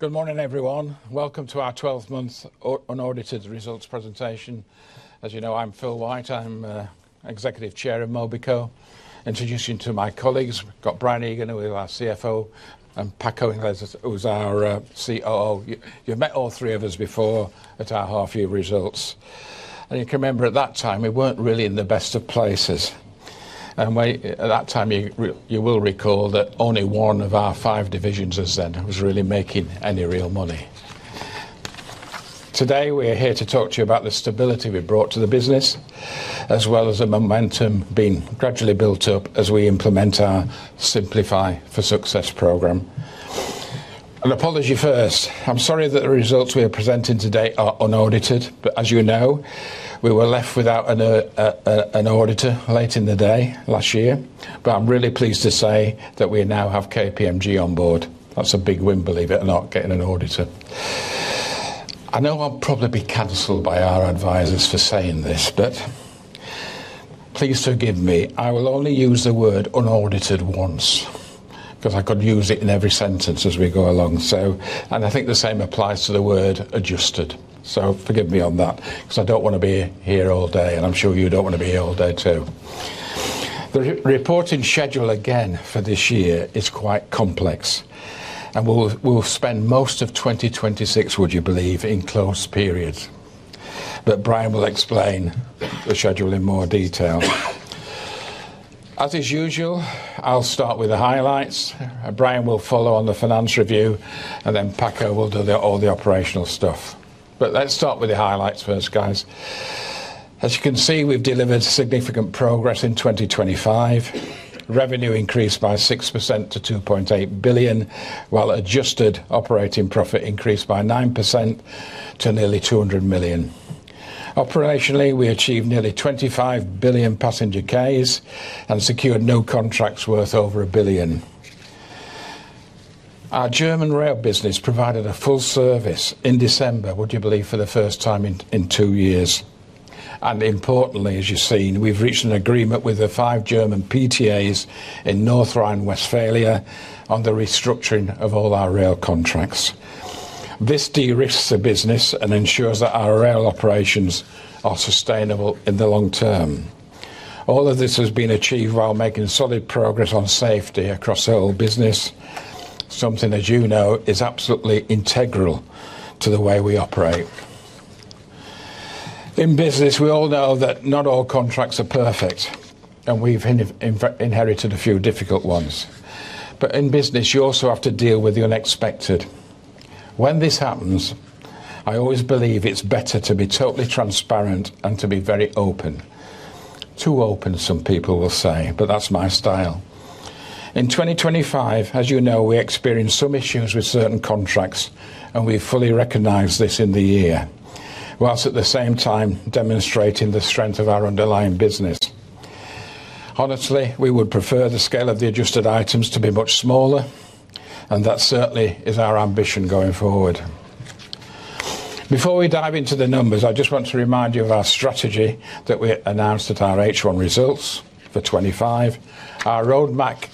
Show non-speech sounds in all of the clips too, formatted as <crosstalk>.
Good morning, everyone. Welcome to our 12-month unaudited results presentation. As you know, I'm Phil White. I'm Executive Chair of Mobico. Introducing to my colleagues, we've got Brian Egan, who is our CFO, and Paco Iglesias, who's our COO. You've met all three of us before at our half-year results. You can remember at that time, we weren't really in the best of places. At that time, you will recall that only one of our five divisions as then was really making any real money. Today, we're here to talk to you about the stability we've brought to the business, as well as the momentum being gradually built up as we implement our Simplify for Success program. An apology first. I'm sorry that the results we are presenting today are unaudited, but as you know, we were left without an an auditor late in the day last year. I'm really pleased to say that we now have KPMG on board. That's a big win, believe it or not, getting an auditor. I know I'll probably be canceled by our advisors for saying this, but please forgive me. I will only use the word unaudited once, because I could use it in every sentence as we go along. I think the same applies to the word adjusted. Forgive me on that, 'cause I don't want to be here all day, and I'm sure you don't want to be here all day, too. The re-reporting schedule again for this year is quite complex, we'll spend most of 2026, would you believe, in close periods. Brian will explain the schedule in more detail. As is usual, I'll start with the highlights, Brian will follow on the finance review, Paco will do all the operational stuff. Let's start with the highlights first, guys. As you can see, we've delivered significant progress in 2025. Revenue increased by 6% to 2.8 billion, while adjusted operating profit increased by 9% to nearly 200 million. Operationally, we achieved nearly 25,000,000,000 passenger-kilometres and secured new contracts worth over 1 billion. Our German rail business provided a full service in December, would you believe, for the first time in two years. Importantly, as you've seen, we've reached an agreement with the five German PTAs in North Rhine-Westphalia on the restructuring of all our rail contracts. This de-risks the business and ensures that our rail operations are sustainable in the long term. All of this has been achieved while making solid progress on safety across the whole business, something, as you know, is absolutely integral to the way we operate. In business, we all know that not all contracts are perfect, and we've inherited a few difficult ones. In business, you also have to deal with the unexpected. When this happens, I always believe it's better to be totally transparent and to be very open. Too open, some people will say, but that's my style. In 2025, as you know, we experienced some issues with certain contracts. We fully recognize this in the year, while at the same time demonstrating the strength of our underlying business. Honestly, we would prefer the scale of the adjusted items to be much smaller. That certainly is our ambition going forward. Before we dive into the numbers, I just want to remind you of our strategy that we announced at our H1 results for 2025. Our roadmap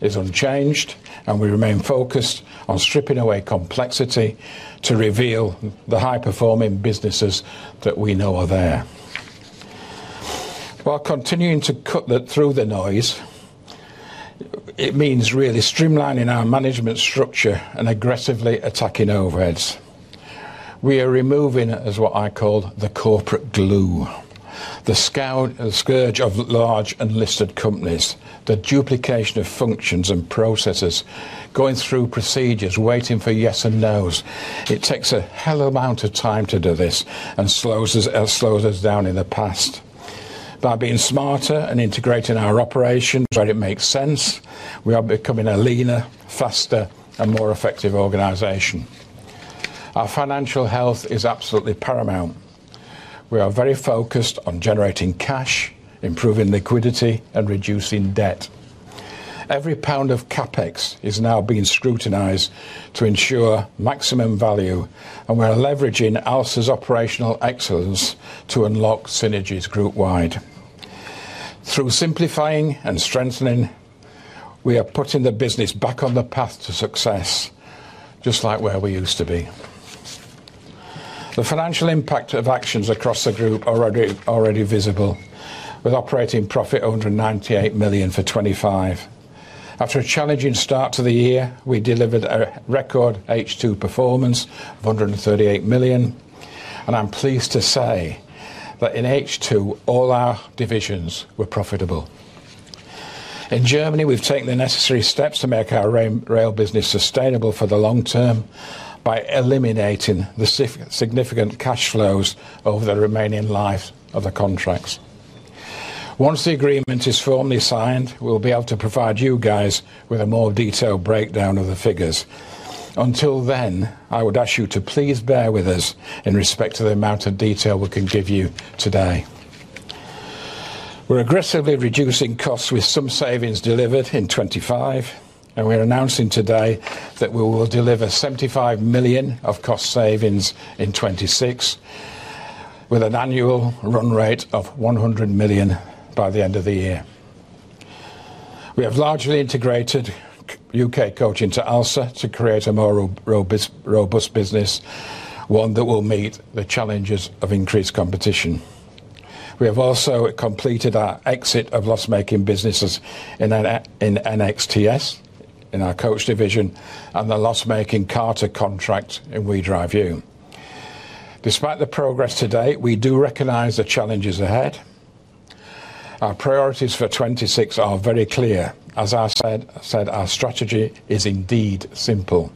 is unchanged. We remain focused on stripping away complexity to reveal the high-performing businesses that we know are there. While continuing through the noise, it means really streamlining our management structure and aggressively attacking overheads. We are removing as what I call the corporate glue, the scourge of large unlisted companies, the duplication of functions and processes, going through procedures, waiting for yes and no's. It takes a hell amount of time to do this and slows us, slows us down in the past. By being smarter and integrating our operations where it makes sense, we are becoming a leaner, faster, and more effective organization. Our financial health is absolutely paramount. We are very focused on generating cash, improving liquidity, and reducing debt. Every pound of CapEx is now being scrutinized to ensure maximum value, and we're leveraging ALSA's operational excellence to unlock synergies groupwide. Through simplifying and strengthening, we are putting the business back on the path to success, just like where we used to be. The financial impact of actions across the group are already visible, with operating profit 198 million for 2025. After a challenging start to the year, we delivered a record H2 performance of 138 million. I'm pleased to say that in H2, all our divisions were profitable. In Germany, we've taken the necessary steps to make our rail business sustainable for the long term by eliminating the significant cash flows over the remaining life of the contracts. Once the agreement is formally signed, we'll be able to provide you guys with a more detailed breakdown of the figures. Until then, I would ask you to please bear with us in respect to the amount of detail we can give you today. We're aggressively reducing costs with some savings delivered in 2025, and we're announcing today that we will deliver 75 million of cost savings in 2026, with an annual run rate of 100 million by the end of the year. We have largely integrated U.K. Coach to ALSA to create a more robust business, one that will meet the challenges of increased competition. We have also completed our exit of loss-making businesses in NXTS, in our coach division, and the loss-making Carter contract in WeDriveU. Despite the progress to date, we do recognize the challenges ahead. Our priorities for 2026 are very clear. As I said, our strategy is indeed simple: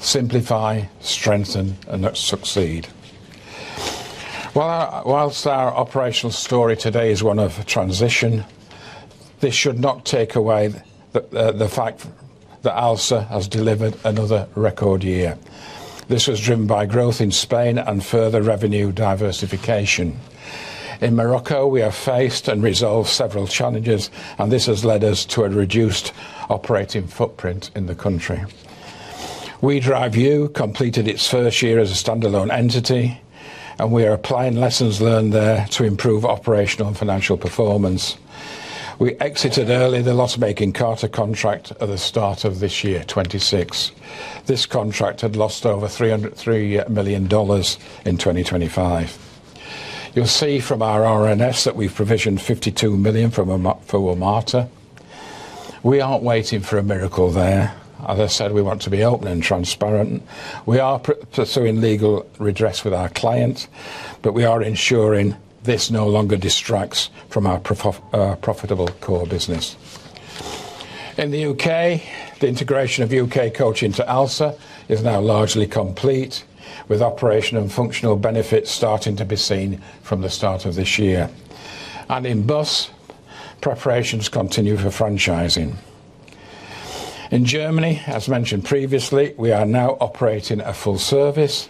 simplify, strengthen, and succeed. Whilst our operational story today is one of transition, this should not take away the fact that ALSA has delivered another record year. This was driven by growth in Spain and further revenue diversification. In Morocco, we have faced and resolved several challenges. This has led us to a reduced operating footprint in the country. WeDriveU completed its first year as a standalone entity. We are applying lessons learned there to improve operational and financial performance. We exited early the loss-making Carter contract at the start of this year, 2026. This contract had lost over $303 million in 2025. You'll see from our RNS that we've provisioned 52 million for WMATA. We aren't waiting for a miracle there. As I said, we want to be open and transparent. We are pursuing legal redress with our client. We are ensuring this no longer distracts from our profitable core business. In the U.K., the integration of U.K. Coach to ALSA is now largely complete, with operational and functional benefits starting to be seen from the start of this year. In bus, preparations continue for franchising. In Germany, as mentioned previously, we are now operating a full service.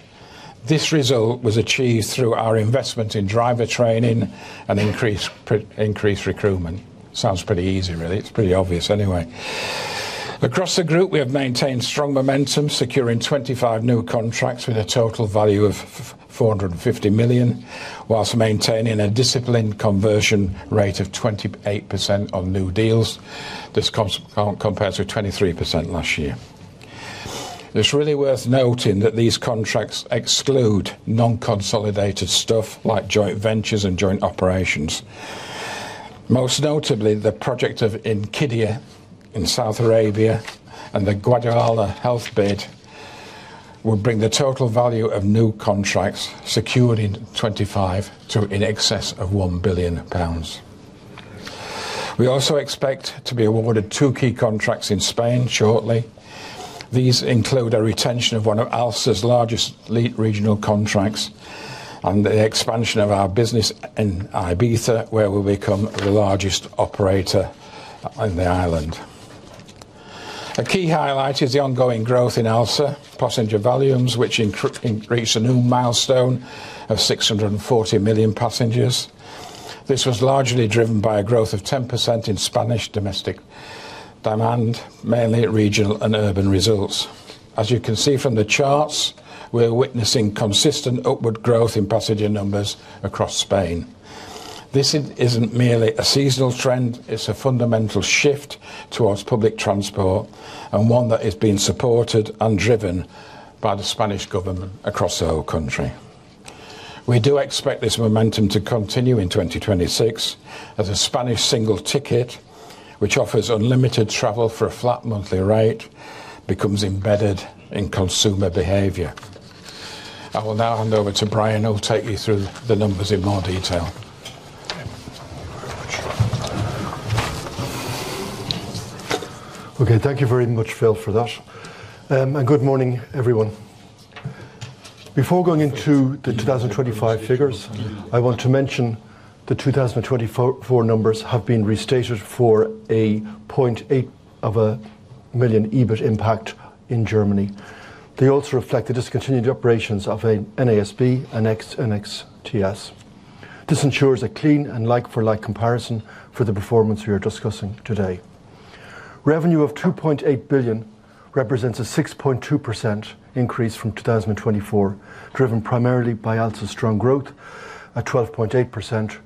This result was achieved through our investment in driver training and increased recruitment. Sounds pretty easy, really. It's pretty obvious anyway. Across the group, we have maintained strong momentum, securing 25 new contracts with a total value of 450 million, while maintaining a disciplined conversion rate of 28% on new deals. This comes compared to 23% last year. It's really worth noting that these contracts exclude non-consolidated stuff, like joint ventures and joint operations. Most notably, the project of in Qiddiya, in Saudi Arabia, and the Guadalajara health bid will bring the total value of new contracts secured in 2025 to in excess of EUR 1 billion. We also expect to be awarded two key contracts in Spain shortly. These include our retention of one of ALSA's largest lead regional contracts and the expansion of our business in Ibiza, where we'll become the largest operator on the island. A key highlight is the ongoing growth in ALSA. Passenger volumes, which increased a new milestone of 640,000,000 passengers. This was largely driven by a growth of 10% in Spanish domestic demand, mainly regional and urban results. As you can see from the charts, we're witnessing consistent upward growth in passenger numbers across Spain. This isn't merely a seasonal trend. It's a fundamental shift towards public transport and one that is being supported and driven by the Spanish government across the whole country. We do expect this momentum to continue in 2026, as a Spanish single ticket, which offers unlimited travel for a flat monthly rate, becomes embedded in consumer behavior. I will now hand over to Brian, who will take you through the numbers in more detail. Thank you very much, Phil, for that. Good morning, everyone. Before going into the 2025 figures, I want to mention the 2024 numbers have been restated for a 0.8 million EBIT impact in Germany. They also reflect the discontinued operations of a NASB and ex-NXTS. This ensures a clean and like-for-like comparison for the performance we are discussing today. Revenue of 2.8 billion represents a 6.2% increase from 2024, driven primarily by ALSA's strong growth at 12.8%.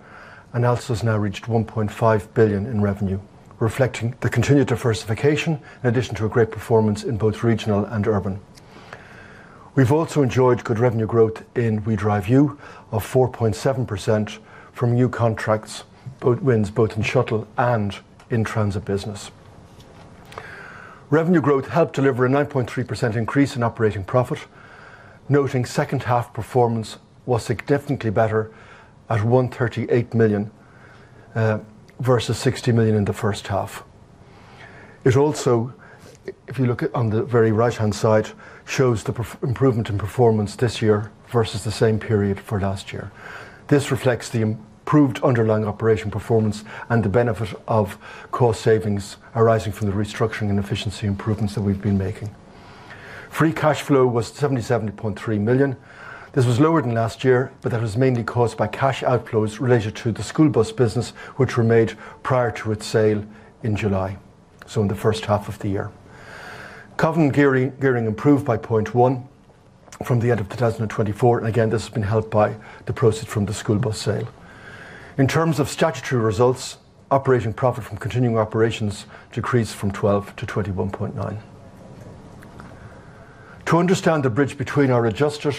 ALSA's now reached 1.5 billion in revenue, reflecting the continued diversification, in addition to a great performance in both regional and urban. We've also enjoyed good revenue growth in WeDriveU of 4.7% from new contracts, both wins both in shuttle and in transit business. Revenue growth helped deliver a 9.3% increase in operating profit, noting second half performance was significantly better at 138 million versus 60 million in the first half. It also, if you look at on the very right-hand side, shows the improvement in performance this year versus the same period for last year. This reflects the improved underlying operation performance and the benefit of cost savings arising from the restructuring and efficiency improvements that we've been making. Free cash flow was 70.3 million. This was lower than last year, that was mainly caused by cash outflows related to the school bus business, which were made prior to its sale in July, so in the first half of the year. Covenant gearing improved by 0.1 from the end of 2024, again, this has been helped by the proceeds from the school bus sale. In terms of statutory results, operating profit from continuing operations decreased from 12 million to 21.9 million. To understand the bridge between our adjusted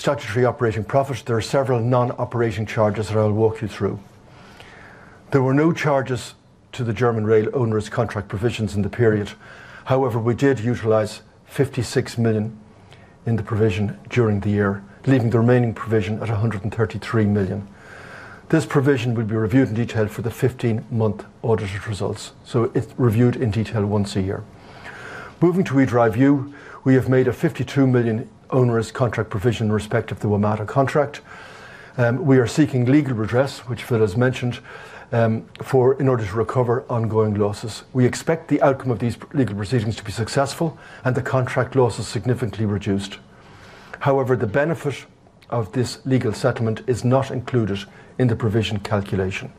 statutory operating profits, there are several non-operating charges that I'll walk you through. There were no charges to the German Rail owner's contract provisions in the period. We did utilize 56 million in the provision during the year, leaving the remaining provision at 133 million. This provision will be reviewed in detail for the 15-month audited results, it's reviewed in detail once a year. Moving to WeDriveU, we have made a 52 million onerous contract provision in respect of the WMATA contract. We are seeking legal redress, which Phil has mentioned, in order to recover ongoing losses. We expect the outcome of these legal proceedings to be successful and the contract losses significantly reduced. However, the benefit of this legal settlement is not included in the provision calculation.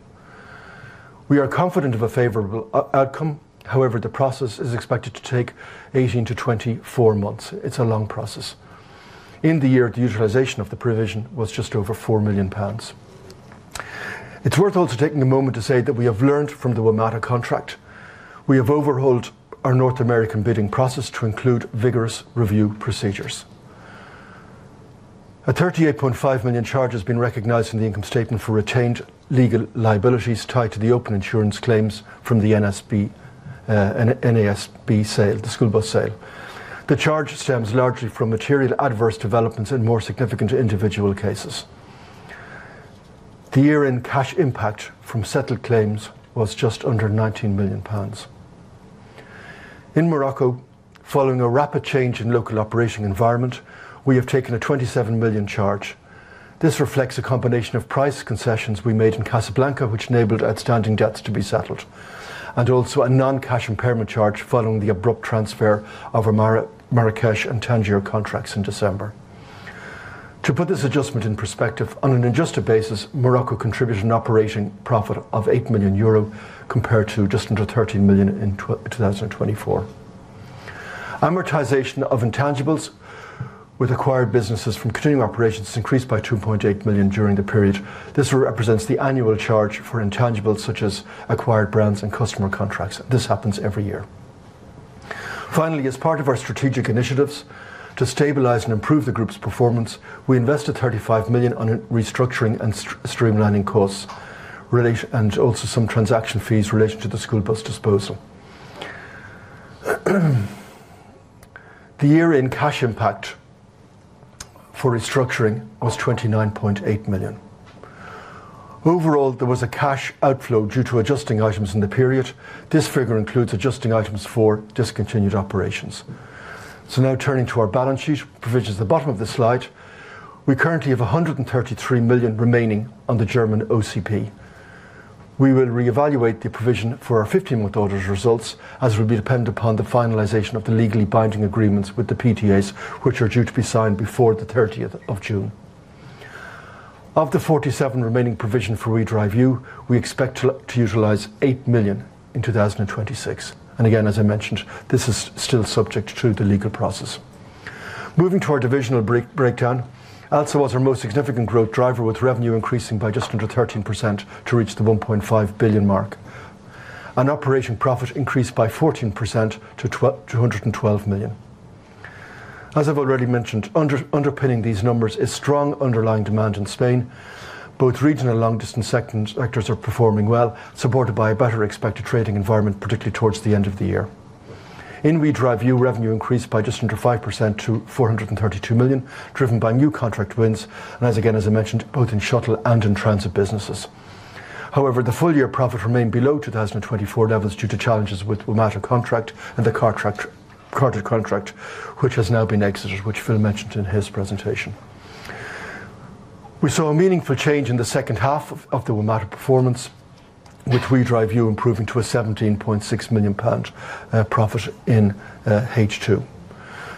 We are confident of a favorable outcome. However, the process is expected to take 18-24 months. It's a long process. In the year, the utilization of the provision was just over EUR 4 million. It's worth also taking a moment to say that we have learned from the WMATA contract. We have overhauled our North American bidding process to include vigorous review procedures. A 38.5 million charge has been recognized in the income statement for retained legal liabilities tied to the open insurance claims from the NASB sale, the school bus sale. The charge stems largely from material adverse developments in more significant individual cases. The year-end cash impact from settled claims was just under EUR 19 million. In Morocco, following a rapid change in local operating environment, we have taken a 27 million charge. This reflects a combination of price concessions we made in Casablanca, which enabled outstanding debts to be settled, and also a non-cash impairment charge following the abrupt transfer of Marrakech and Tangier contracts in December. To put this adjustment in perspective, on an adjusted basis, Morocco contributed an operating profit of 8 million euro, compared to just under 13 million in 2024. Amortization of intangibles with acquired businesses from continuing operations increased by 2.8 million during the period. This represents the annual charge for intangibles, such as acquired brands and customer contracts. This happens every year. Finally, as part of our strategic initiatives to stabilize and improve the group's performance, we invested 35 million on restructuring and streamlining costs and also some transaction fees related to the school bus disposal. The year-end cash impact for restructuring was 29.8 million. Overall, there was a cash outflow due to adjusting items in the period. This figure includes adjusting items for discontinued operations. Now turning to our balance sheet, provisions at the bottom of this slide. We currently have 133 million remaining on the German OCP. We will reevaluate the provision for our 15-month audited results, as will be dependent upon the finalization of the legally binding agreements with the PTAs, which are due to be signed before the 30th of June. Of the 47 million remaining provision for WeDriveU, we expect to utilize 8 million in 2026. Again, as I mentioned, this is still subject to the legal process. Moving to our divisional breakdown. ALSA was our most significant growth driver, with revenue increasing by just under 13% to reach the 1.5 billion mark, and operating profit increased by 14% to 112 million. As I've already mentioned, underpinning these numbers is strong underlying demand in Spain. Both regional and long-distance sectors are performing well, supported by a better expected trading environment, particularly towards the end of the year. In WeDriveU, revenue increased by just under 5% to 432 million, driven by new contract wins, and as again, as I mentioned, both in shuttle and in transit businesses. The full-year profit remained below 2024 levels due to challenges with WMATA contract and the Carter contract, which has now been exited, which Phil mentioned in his presentation. We saw a meaningful change in the second half of the WMATA performance, with WeDriveU improving to a 17.6 million pound profit in H2.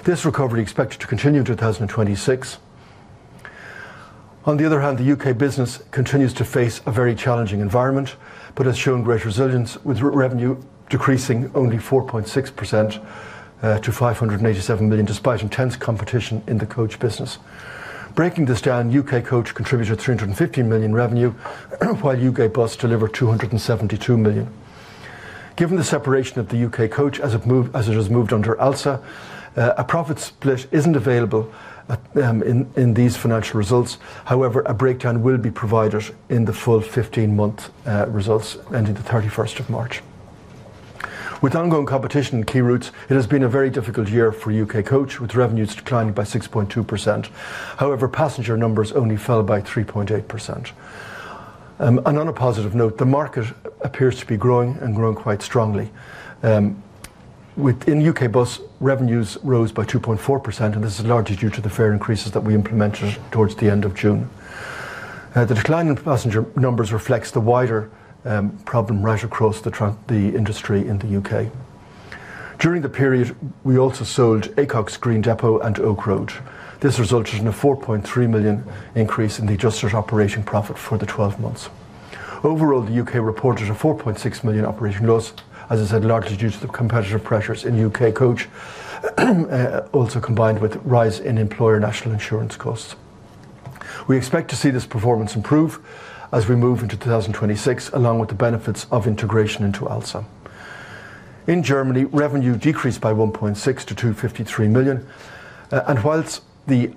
This recovery is expected to continue in 2026. On the other hand, the U.K. business continues to face a very challenging environment but has shown great resilience, with revenue decreasing only 4.6%, to 587 million, despite intense competition in the coach business. Breaking this down, U.K. Coach contributed 350 million revenue, while U.K. Bus delivered 272 million. Given the separation of the U.K. Coach as it has moved under ALSA, a profit split isn't available in these financial results. A breakdown will be provided in the full 15-month results ending the 31st of March. With ongoing competition in key routes, it has been a very difficult year for U.K. Coach, with revenues declining by 6.2%. Passenger numbers only fell by 3.8%. On a positive note, the market appears to be growing and growing quite strongly. In U.K. Bus, revenues rose by 2.4%, and this is largely due to the fare increases that we implemented towards the end of June. The decline in passenger numbers reflects the wider problem right across the industry in the U.K. During the period, we also sold Acocks Green Depot and Oak Road. This resulted in a 4.3 million increase in the adjusted operating profit for the 12 months. Overall, the U.K. reported a 4.6 million operating loss, as I said, largely due to the competitive pressures in U.K. Coach, also combined with a rise in employer National Insurance costs. We expect to see this performance improve as we move into 2026, along with the benefits of integration into ALSA. In Germany, revenue decreased by 1.6% to 253 million. Whilst the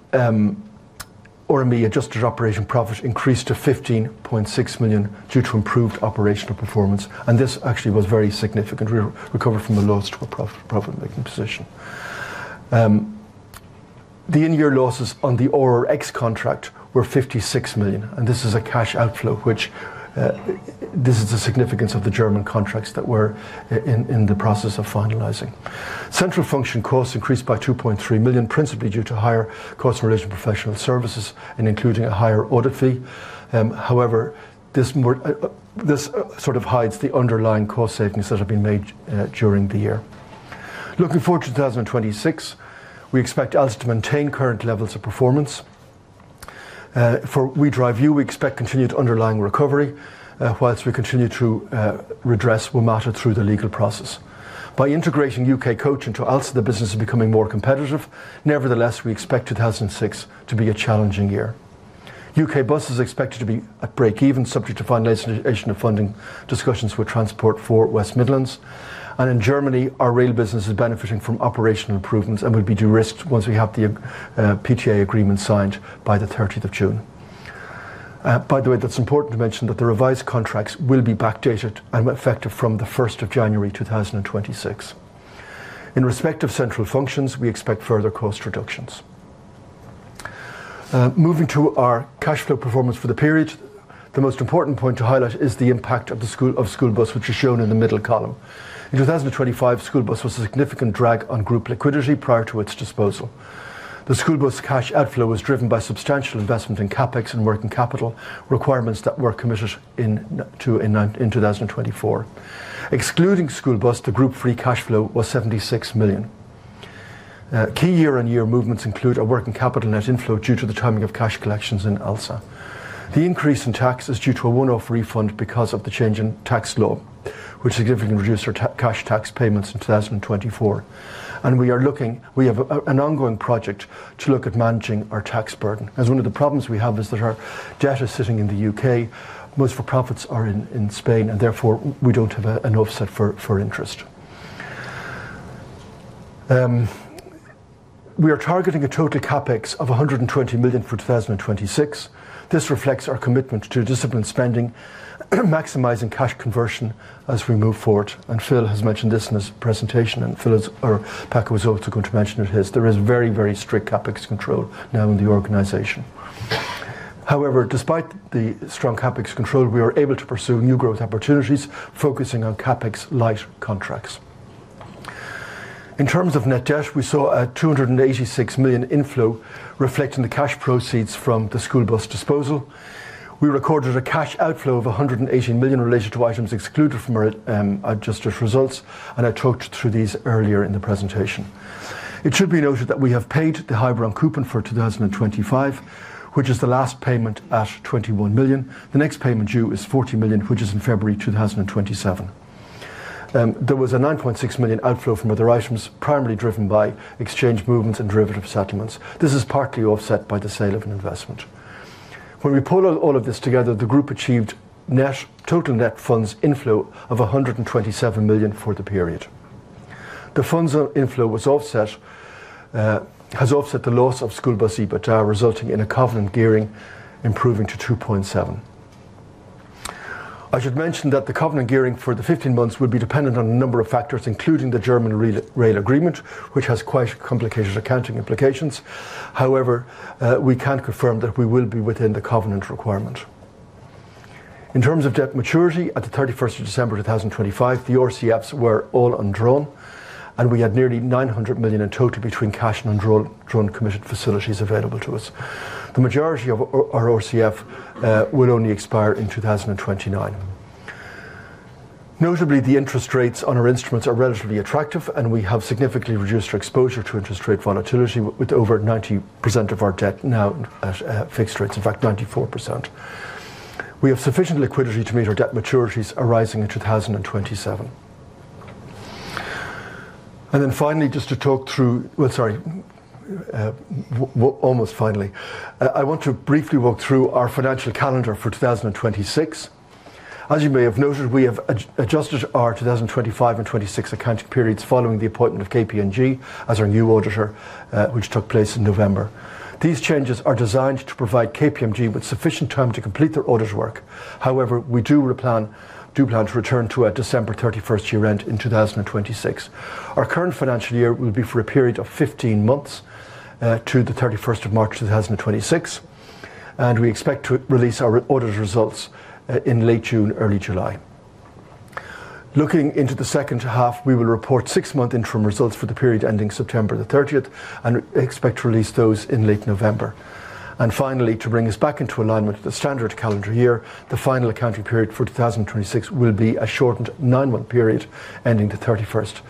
adjusted operating profit increased to 15.6 million due to improved operational performance, this actually was very significant. We recovered from a loss to a profit-making position. The in-year losses on the RRX contract were 56 million, this is a cash outflow, which, this is the significance of the German contracts that we're in the process of finalizing. Central function costs increased by 2.3 million, principally due to higher costs related to professional services and including a higher audit fee. However, this more, this sort of hides the underlying cost savings that have been made during the year. Looking forward to 2026, we expect us to maintain current levels of performance. For WeDriveU, we expect continued underlying recovery, whilst we continue to redress WMATA through the legal process. By integrating U.K. Coach into ALSA, the business is becoming more competitive. Nevertheless, we expect 2006 to be a challenging year. U.K. Bus is expected to be at breakeven, subject to finalization of funding discussions with Transport for West Midlands. In Germany, our rail business is benefiting from operational improvements and will be de-risked once we have the PTA agreement signed by the 13th of June. By the way, that's important to mention that the revised contracts will be backdated and effective from the 1st of January, 2026. In respect of central functions, we expect further cost reductions. Moving to our cash flow performance for the period, the most important point to highlight is the impact of School Bus, which is shown in the middle column. In 2025, School Bus was a significant drag on group liquidity prior to its disposal. The School Bus cash outflow was driven by substantial investment in CapEx and working capital requirements that were committed in 2024. Excluding School Bus, the group free cash flow was 76 million. Key year-on-year movements include a working capital net inflow due to the timing of cash collections in ALSA. The increase in tax is due to a one-off refund because of the change in tax law, which significantly reduced our cash tax payments in 2024. We are looking-- we have an ongoing project to look at managing our tax burden, as one of the problems we have is that our debt is sitting in the U.K., most of our profits are in Spain, and therefore, we don't have an offset for interest. We are targeting a total CapEx of 120 million for 2026. This reflects our commitment to disciplined spending, maximizing cash conversion as we move forward, and Phil has mentioned this in his presentation, and Phil is... or Paco is also going to mention it his. There is very strict CapEx control now in the organization. However, despite the strong CapEx control, we are able to pursue new growth opportunities, focusing on CapEx-light contracts. In terms of net debt, we saw a 286 million inflow, reflecting the cash proceeds from the School Bus disposal. We recorded a cash outflow of 180 million related to items excluded from our adjusted results, and I talked through these earlier in the presentation. It should be noted that we have paid the Hybrid Bond coupon for 2025, which is the last payment at 21 million. The next payment due is 40 million, which is in February 2027. There was a 9.6 million outflow from other items, primarily driven by exchange movements and derivative settlements. This is partly offset by the sale of an investment. When we pull all of this together, the group achieved total net funds inflow of 127 million for the period. The funds inflow has offset the loss of School Bus EBITDA, resulting in a covenant gearing improving to 2.7. I should mention that the covenant gearing for the 15 months will be dependent on a number of factors, including the German rail agreement, which has quite complicated accounting implications. However, we can confirm that we will be within the covenant requirement. In terms of debt maturity, at the 31st of December, 2025, the RCFs were all undrawn, and we had nearly 900 million in total between cash and drawn committed facilities available to us. The majority of our RCF will only expire in 2029. Notably, the interest rates on our instruments are relatively attractive, and we have significantly reduced our exposure to interest rate volatility, with over 90% of our debt now at fixed rates. In fact, 94%. We have sufficient liquidity to meet our debt maturities arising in 2027. Finally, just to talk through. Well, sorry, well, almost finally. I want to briefly walk through our financial calendar for 2026. As you may have noted, we have adjusted our 2025 and 2026 accounting periods following the appointment of KPMG as our new auditor, which took place in November. These changes are designed to provide KPMG with sufficient time to complete their audit work. However, we do plan to return to a December 31st year-end in 2026. Our current financial year will be for a period of 15 months to the 31st of March 2026. We expect to release our audit results in late June, early July. Looking into the second half, we will report six-month interim results for the period ending September the 30th and expect to release those in late November. Finally, to bring us back into alignment with the standard calendar year, the final accounting period for 2026 will be a shortened nine-month period ending the 31st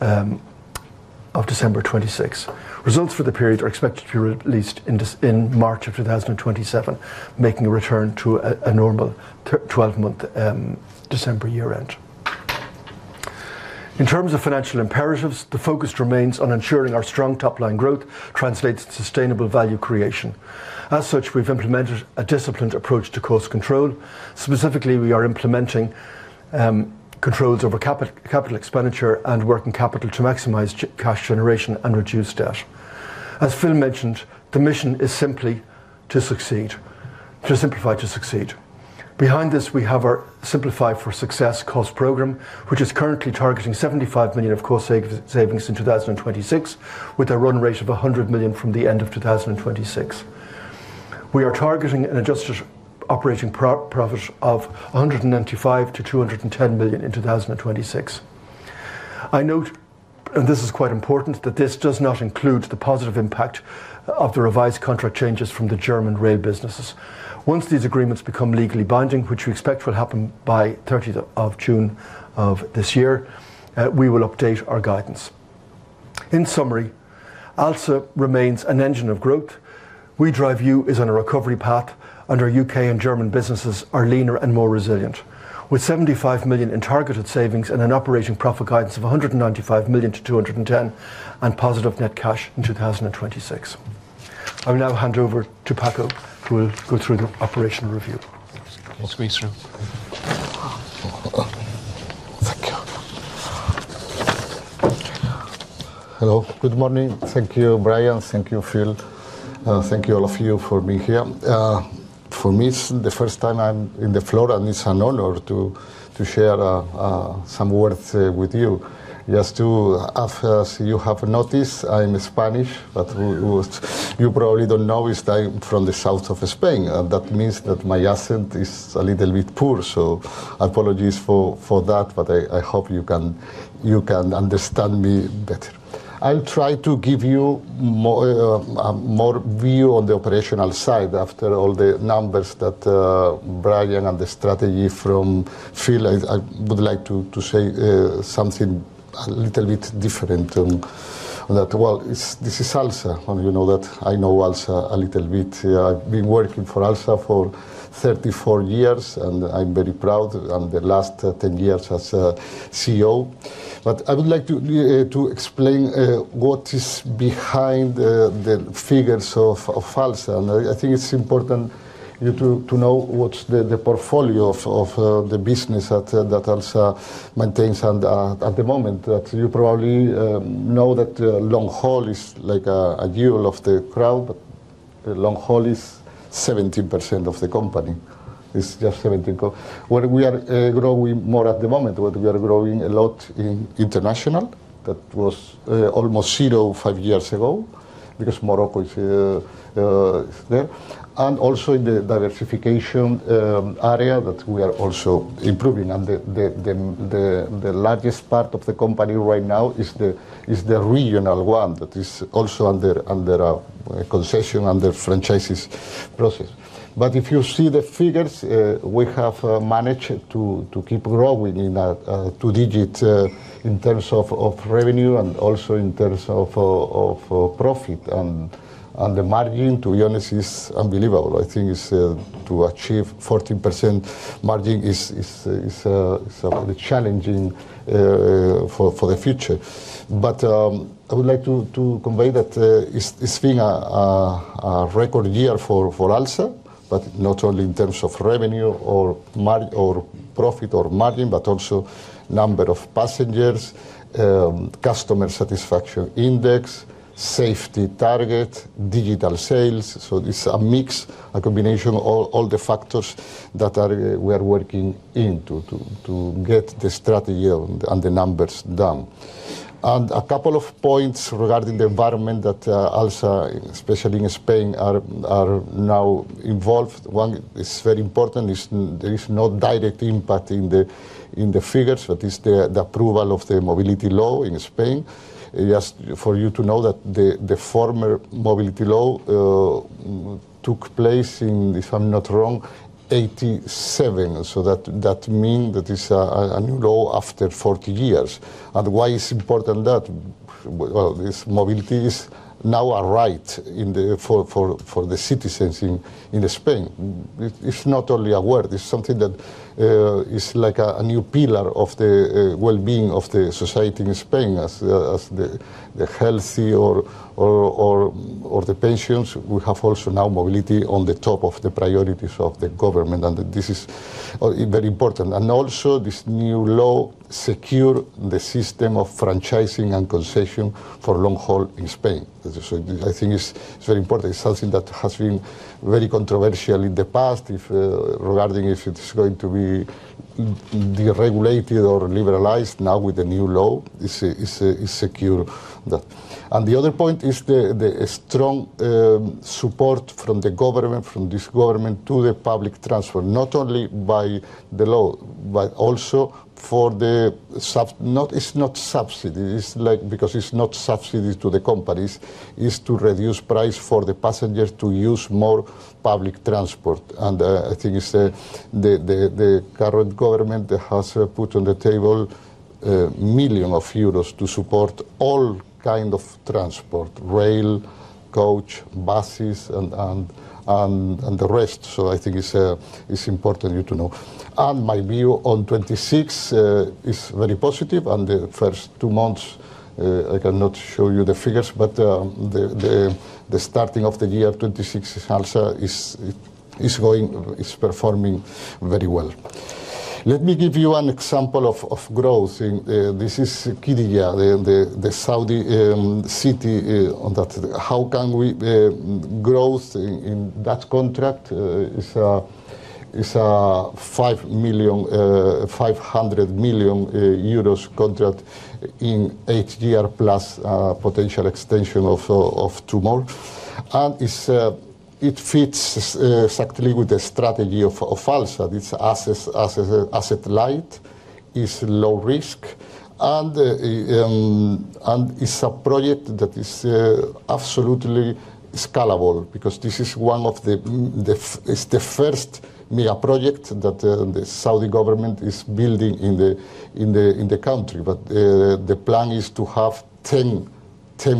of December 2026. Results for the period are expected to be released in March of 2027, making a return to a normal 12-month December year-end. In terms of financial imperatives, the focus remains on ensuring our strong top-line growth translates to sustainable value creation. As such, we've implemented a disciplined approach to cost control. Specifically, we are implementing controls over capital expenditure and working capital to maximize cash generation and reduce debt. As Phil mentioned, the mission is simply to succeed. To simplify, to succeed. Behind this, we have our Simplify for Success cost program, which is currently targeting 75 million of cost savings in 2026, with a run rate of 100 million from the end of 2026. We are targeting an adjusted operating profit of 195 million-210 million in 2026. I note, and this is quite important, that this does not include the positive impact of the revised contract changes from the German rail businesses. Once these agreements become legally binding, which we expect will happen by 30th of June of this year, we will update our guidance. In summary, ALSA remains an engine of growth. WeDriveU is on a recovery path, and our U.K. and German businesses are leaner and more resilient. With 75 million in targeted savings and an operating profit guidance of 195 million-210 million, and positive net cash in 2026. I will now hand over to Paco, who will go through the operational review. We'll Squeeze through. Thank you. Hello, good morning. Thank you, Brian. Thank you, Phil. Thank you, all of you, for being here. For me, it's the first time I'm in the floor, and it's an honor to share some words with you. As you have noticed, I'm Spanish, but you probably don't know is that I'm from the south of Spain, and that means that my accent is a little bit poor, so apologies for that, but I hope you can understand me better. I'll try to give you more view on the operational side after all the numbers that Brian, and the strategy from Phil. I would like to say something a little bit different and that, well, this is ALSA, and you know that I know ALSA a little bit. I've been working for ALSA for 34 years, and I'm very proud, and the last 10 years as CEO. I would like to explain what is behind the figures of ALSA. I think it's important you to know what's the portfolio of the business that ALSA maintains at the moment. That you probably know that long-haul is like a jewel of the crowd, but long-haul is 17% of the company. It's just 17... Where we are growing more at the moment, where we are growing a lot in international. That was almost zero five years ago, because Morocco is there. Also in the diversification area, that we are also improving. The largest part of the company right now is the regional one that is also under a concession, under franchises process. If you see the figures, we have managed to keep growing in a two digit in terms of revenue and also in terms of profit. The margin, to be honest, is unbelievable. I think is to achieve 14% margin is a bit challenging for the future. I would like to convey that it's been a record year for ALSA, not only in terms of revenue or profit or margin, but also number of passengers, customer satisfaction index, safety target, digital sales. It's a mix, a combination of all the factors that we are working in to get the strategy and the numbers done. A couple of points regarding the environment that ALSA, especially in Spain, are now involved. One is very important, is there is no direct impact in the figures, that is the approval of the Mobility Law in Spain. Just for you to know that the former Mobility Law took place in, if I'm not wrong, 1987. That mean that it's a new law after 40 years. Why it's important that, well, is mobility is now a right in the for the citizens in Spain. It's not only a word, it's something that is like a new pillar of the well-being of the society in Spain, as the healthy or the patients. We have also now mobility on the top of the priorities of the government, and this is very important. Also, this new law secure the system of franchising and concession for long haul in Spain. As I said, I think it's very important. It's something that has been very controversial in the past, if regarding if it's going to be regulated or liberalized. Now with the new law, it's secure. The other point is the strong support from the government, from this government, to the public transport, not only by the law, but also for the not, it's not subsidy. It's like, because it's not subsidies to the companies, it's to reduce price for the passengers to use more public transport. I think it's the current government that has put on the table million of euros to support all kind of transport: rail, coach, buses, and the rest. I think it's important you to know. My view on 2026 is very positive, and the first two months, I cannot show you the figures, but the starting of the year 2026 is also going, performing very well. Let me give you an example of growth in this is Qiddiya, the Saudi city on that. How can we growth in that contract is 5 million, 500 million euros contract in eight year, plus potential extension of two more. It's it fits exactly with the strategy of ALSA. It's asset-light, it's low risk, and it's a project that is absolutely scalable because this is one of it's the first Mia project that the Saudi government is building in the country. The plan is to have 10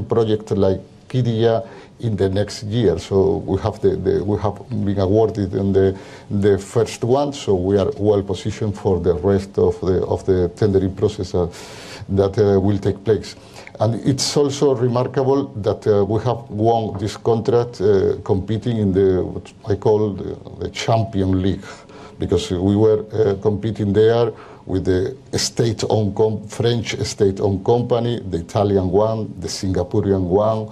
project like Qiddiya in the next year. We have the... We have been awarded in the first one. We are well positioned for the rest of the tendering process that will take place. It's also remarkable that we have won this contract competing in the, what I call the Champions League, because we were competing there with the French state-owned company, the Italian one, the Singaporean one.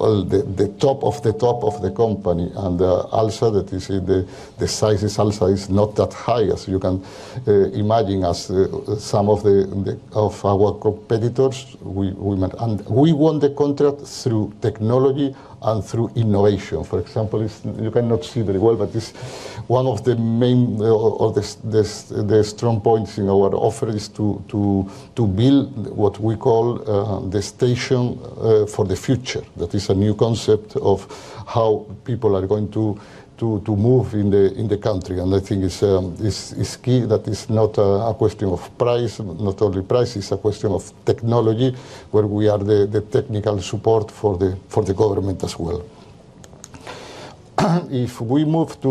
Well, the top of the top of the company and also that you see the size is also is not that high, as you can imagine as some of our competitors we met. We won the contract through technology and through innovation. For example, if you cannot see very well, but this, one of the main of the strong points in our offer is to build what we call the station for the future. That is a new concept of how people are going to move in the country. I think it's key that it's not a question of price, not only price, it's a question of technology, where we are the technical support for the government as well. We move to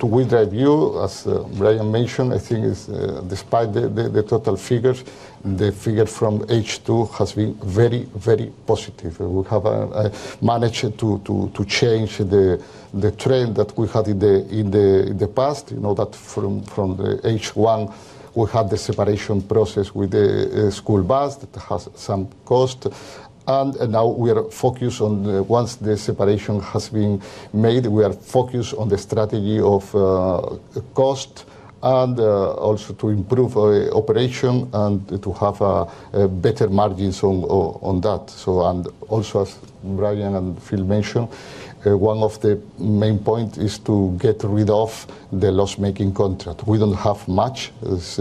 WeDriveU, as Brian mentioned, I think it's despite the total figures, the figure from H2 has been very, very positive. We have managed to change the trend that we had in the past. You know, that from the H1, we had the separation process with the school bus. That has some cost. Now we are focused on the, once the separation has been made, we are focused on the strategy of cost and also to improve our operation and to have better margins on that. Also, as Brian and Phil mentioned, one of the main point is to get rid of the loss-making contract. We don't have much, as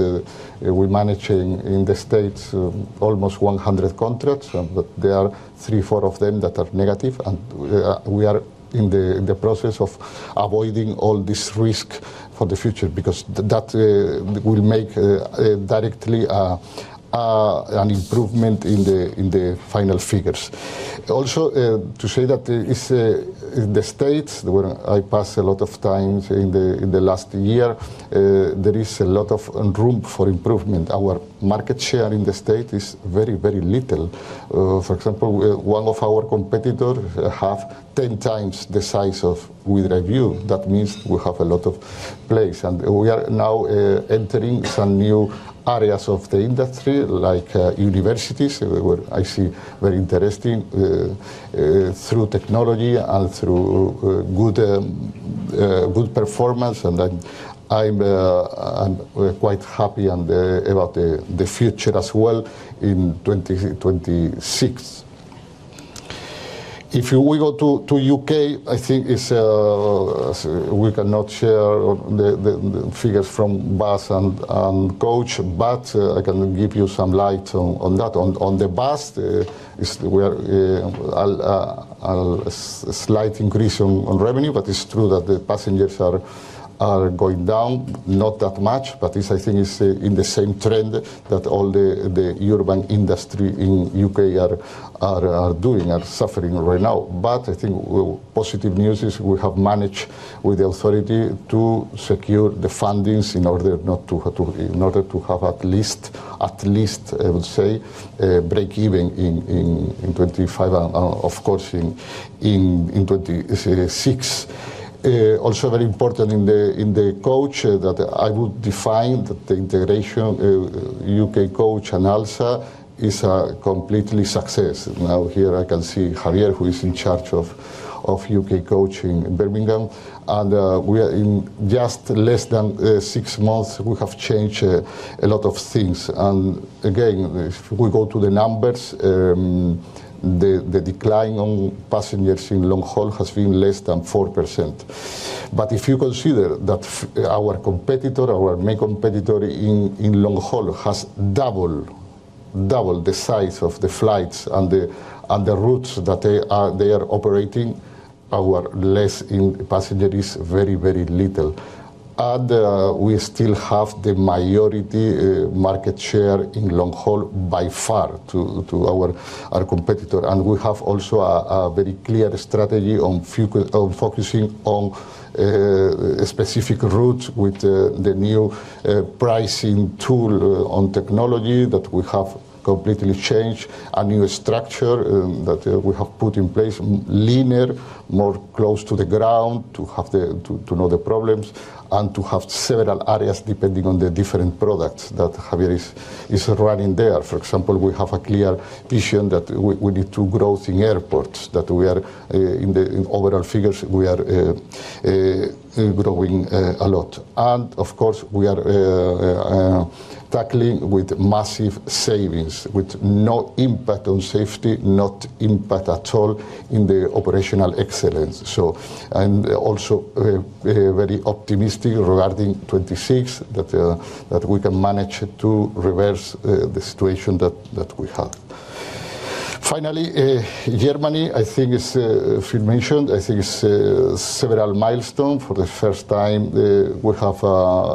we manage in the States, almost 100 contracts, but there are three, four of them that are negative. We are in the process of avoiding all this risk for the future because that will make directly an improvement in the final figures. Also, to say that it's in the States, where I pass a lot of times in the last year, there is a lot of room for improvement. Our market share in the state is very little. For example, one of our competitor have 10x the size of WeDriveU. That means we have a lot of place, and we are now entering some new areas of the industry, like universities, where I see very interesting through technology and through good performance. We're quite happy and about the future as well in 2026. If we go to U.K., I think it's we cannot share the figures from bus and coach, but I can give you some light on that. On the bus is where a slight increase on revenue, but it's true that the passengers are going down. Not that much, this I think is in the same trend that all the urban industry in U.K. are doing, are suffering right now. I think well, positive news is we have managed with the authority to secure the fundings in order not to, in order to have at least, I would say, break even in 2025 and, of course, in 2026. Also very important in the coach that I would define the integration, U.K. coach and ALSA is completely success. Here I can see Javier, who is in charge of U.K. coaching in Birmingham, we are in just less than six months, we have changed a lot of things. Again, if we go to the numbers, the decline on passengers in long haul has been less than 4%. If you consider that our competitor, our main competitor in long haul, has double the size of the flights and the routes that they are operating. our less in passengers is very, very little. We still have the majority market share in long haul by far to our competitor. We have also a very clear strategy on focusing on specific routes with the new pricing tool on technology that we have completely changed, a new structure that we have put in place, leaner, more close to the ground, to know the problems, and to have several areas depending on the different products that Javier is running there. For example, we have a clear vision that we need to grow in airports, that we are in the overall figures, we are growing a lot. Of course, we are tackling with massive savings, with no impact on safety, not impact at all in the operational excellence. Also, very optimistic regarding 2026, that we can manage to reverse the situation that we have. Finally, Germany, I think is, Phil mentioned, I think is, several milestone. For the first time, we have,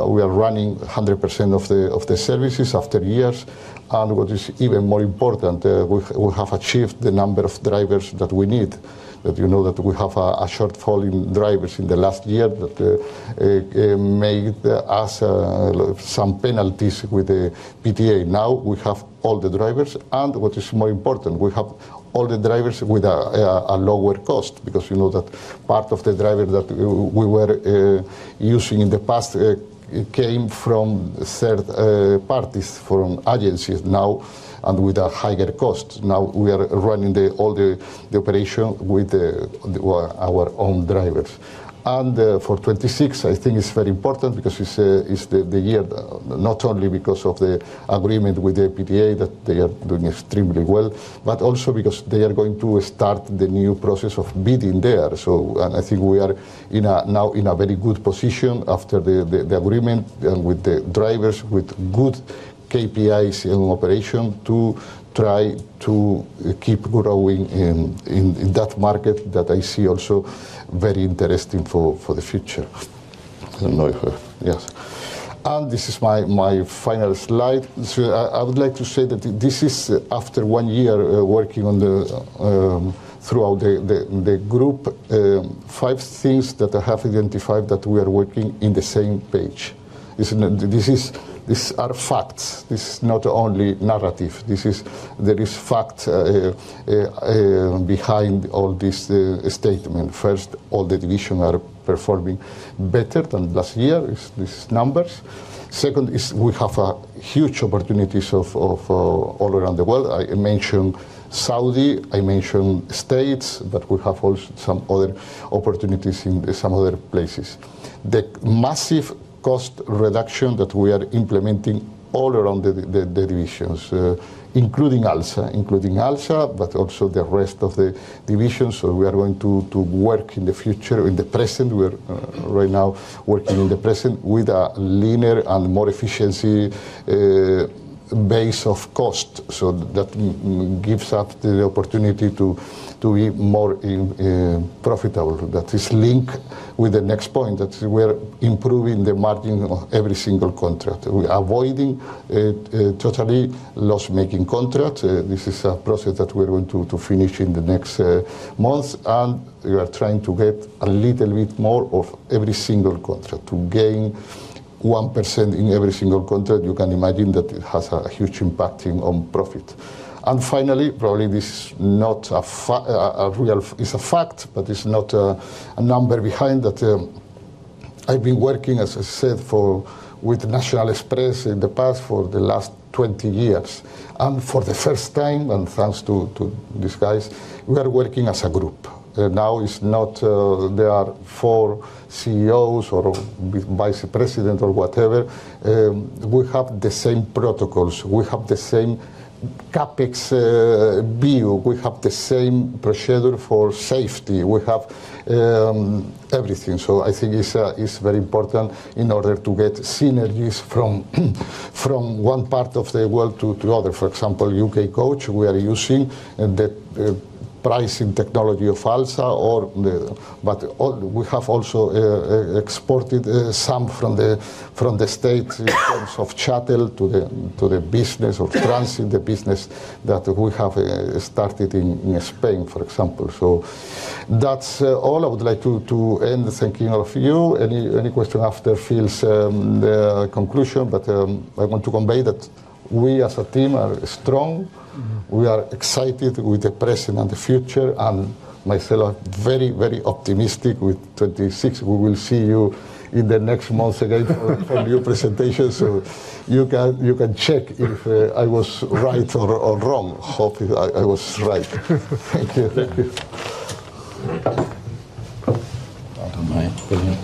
we are running 100% of the services after years. What is even more important, we have achieved the number of drivers that we need. You know, that we have a shortfall in drivers in the last year that made us some penalties with the PTA. Now, we have all the drivers, and what is more important, we have all the drivers with a lower cost, because you know that part of the driver that we were using in the past came from third parties, from agencies now and with a higher cost. Now, we are running all the operation with our own drivers. For 2026, I think it's very important because it's the year, not only because of the agreement with the PTA, that they are doing extremely well, but also because they are going to start the new process of bidding there. I think we are in a, now in a very good position after the agreement with the drivers, with good KPIs in operation, to try to keep growing in that market that I see also very interesting for the future. I don't know if... Yes. This is my final slide. I would like to say that this is after one year working on the throughout the group five things that I have identified that we are working in the same page. These are facts. This is not only narrative. There is fact behind all this statement. First, all the division are performing better than last year, is this numbers. Second, is we have a huge opportunities of all around the world. I mentioned Saudi, I mentioned States. We have also some other opportunities in some other places. The massive cost reduction that we are implementing all around the divisions, including ALSA, but also the rest of the divisions. We are going to work in the future, in the present. We are right now working in the present with a leaner and more efficiency base of cost. That gives us the opportunity to be more profitable. That is linked with the next point, that we are improving the margin of every single contract. We are avoiding totally loss-making contract. This is a process that we are going to finish in the next months. We are trying to get a little bit more of every single contract. To gain 1% in every single contract, you can imagine that it has a huge impact on profit. Finally, probably this is not a fact, but it's not a number behind that. I've been working, as I said, with National Express in the past, for the last 20 years. For the first time, thanks to these guys, we are working as a group. Now it's not, there are four CEOs or vice president or whatever. We have the same protocols, we have the CapEx view, we have the same procedure for safety, we have everything. I think it's very important in order to get synergies from one part of the world to other. For example, U.K. Coach, we are using the pricing technology of ALSA or but we have also exported some from the States, in terms of chattel to the business of transit, the business that we have started in Spain, for example. That's all I would like to end, thanking of you. Any question after Phil's conclusion? I want to convey that we, as a team, are strong. Mm-hmm. We are excited with the present and the future, and myself, very, very optimistic with 2026. We will see you in the next months again for a new presentation. you can check if I was right or wrong. Hope I was right. Thank you. My opinion.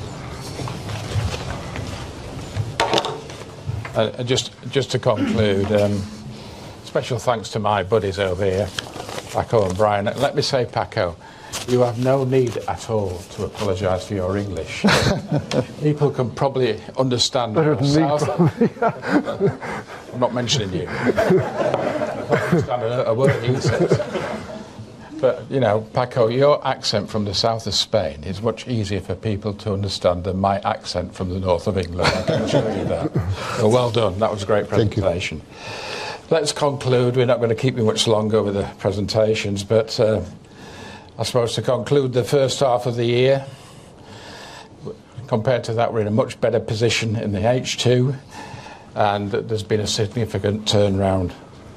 Just to conclude, special thanks to my buddies over here, Paco and Brian. Let me say, Paco, you have no need at all to apologize for your English. People can probably understand. Better than me. I'm not mentioning you. I don't understand a word you said. You know, Paco, your accent from the south of Spain is much easier for people to understand than my accent from the north of England. I can assure you that. Well done. That was a great presentation. Thank you. Let's conclude. We're not going to keep you much longer with the presentations. I suppose to conclude the first half of the year, compared to that, we're in a much better position in the H2, and there's been a significant turnaround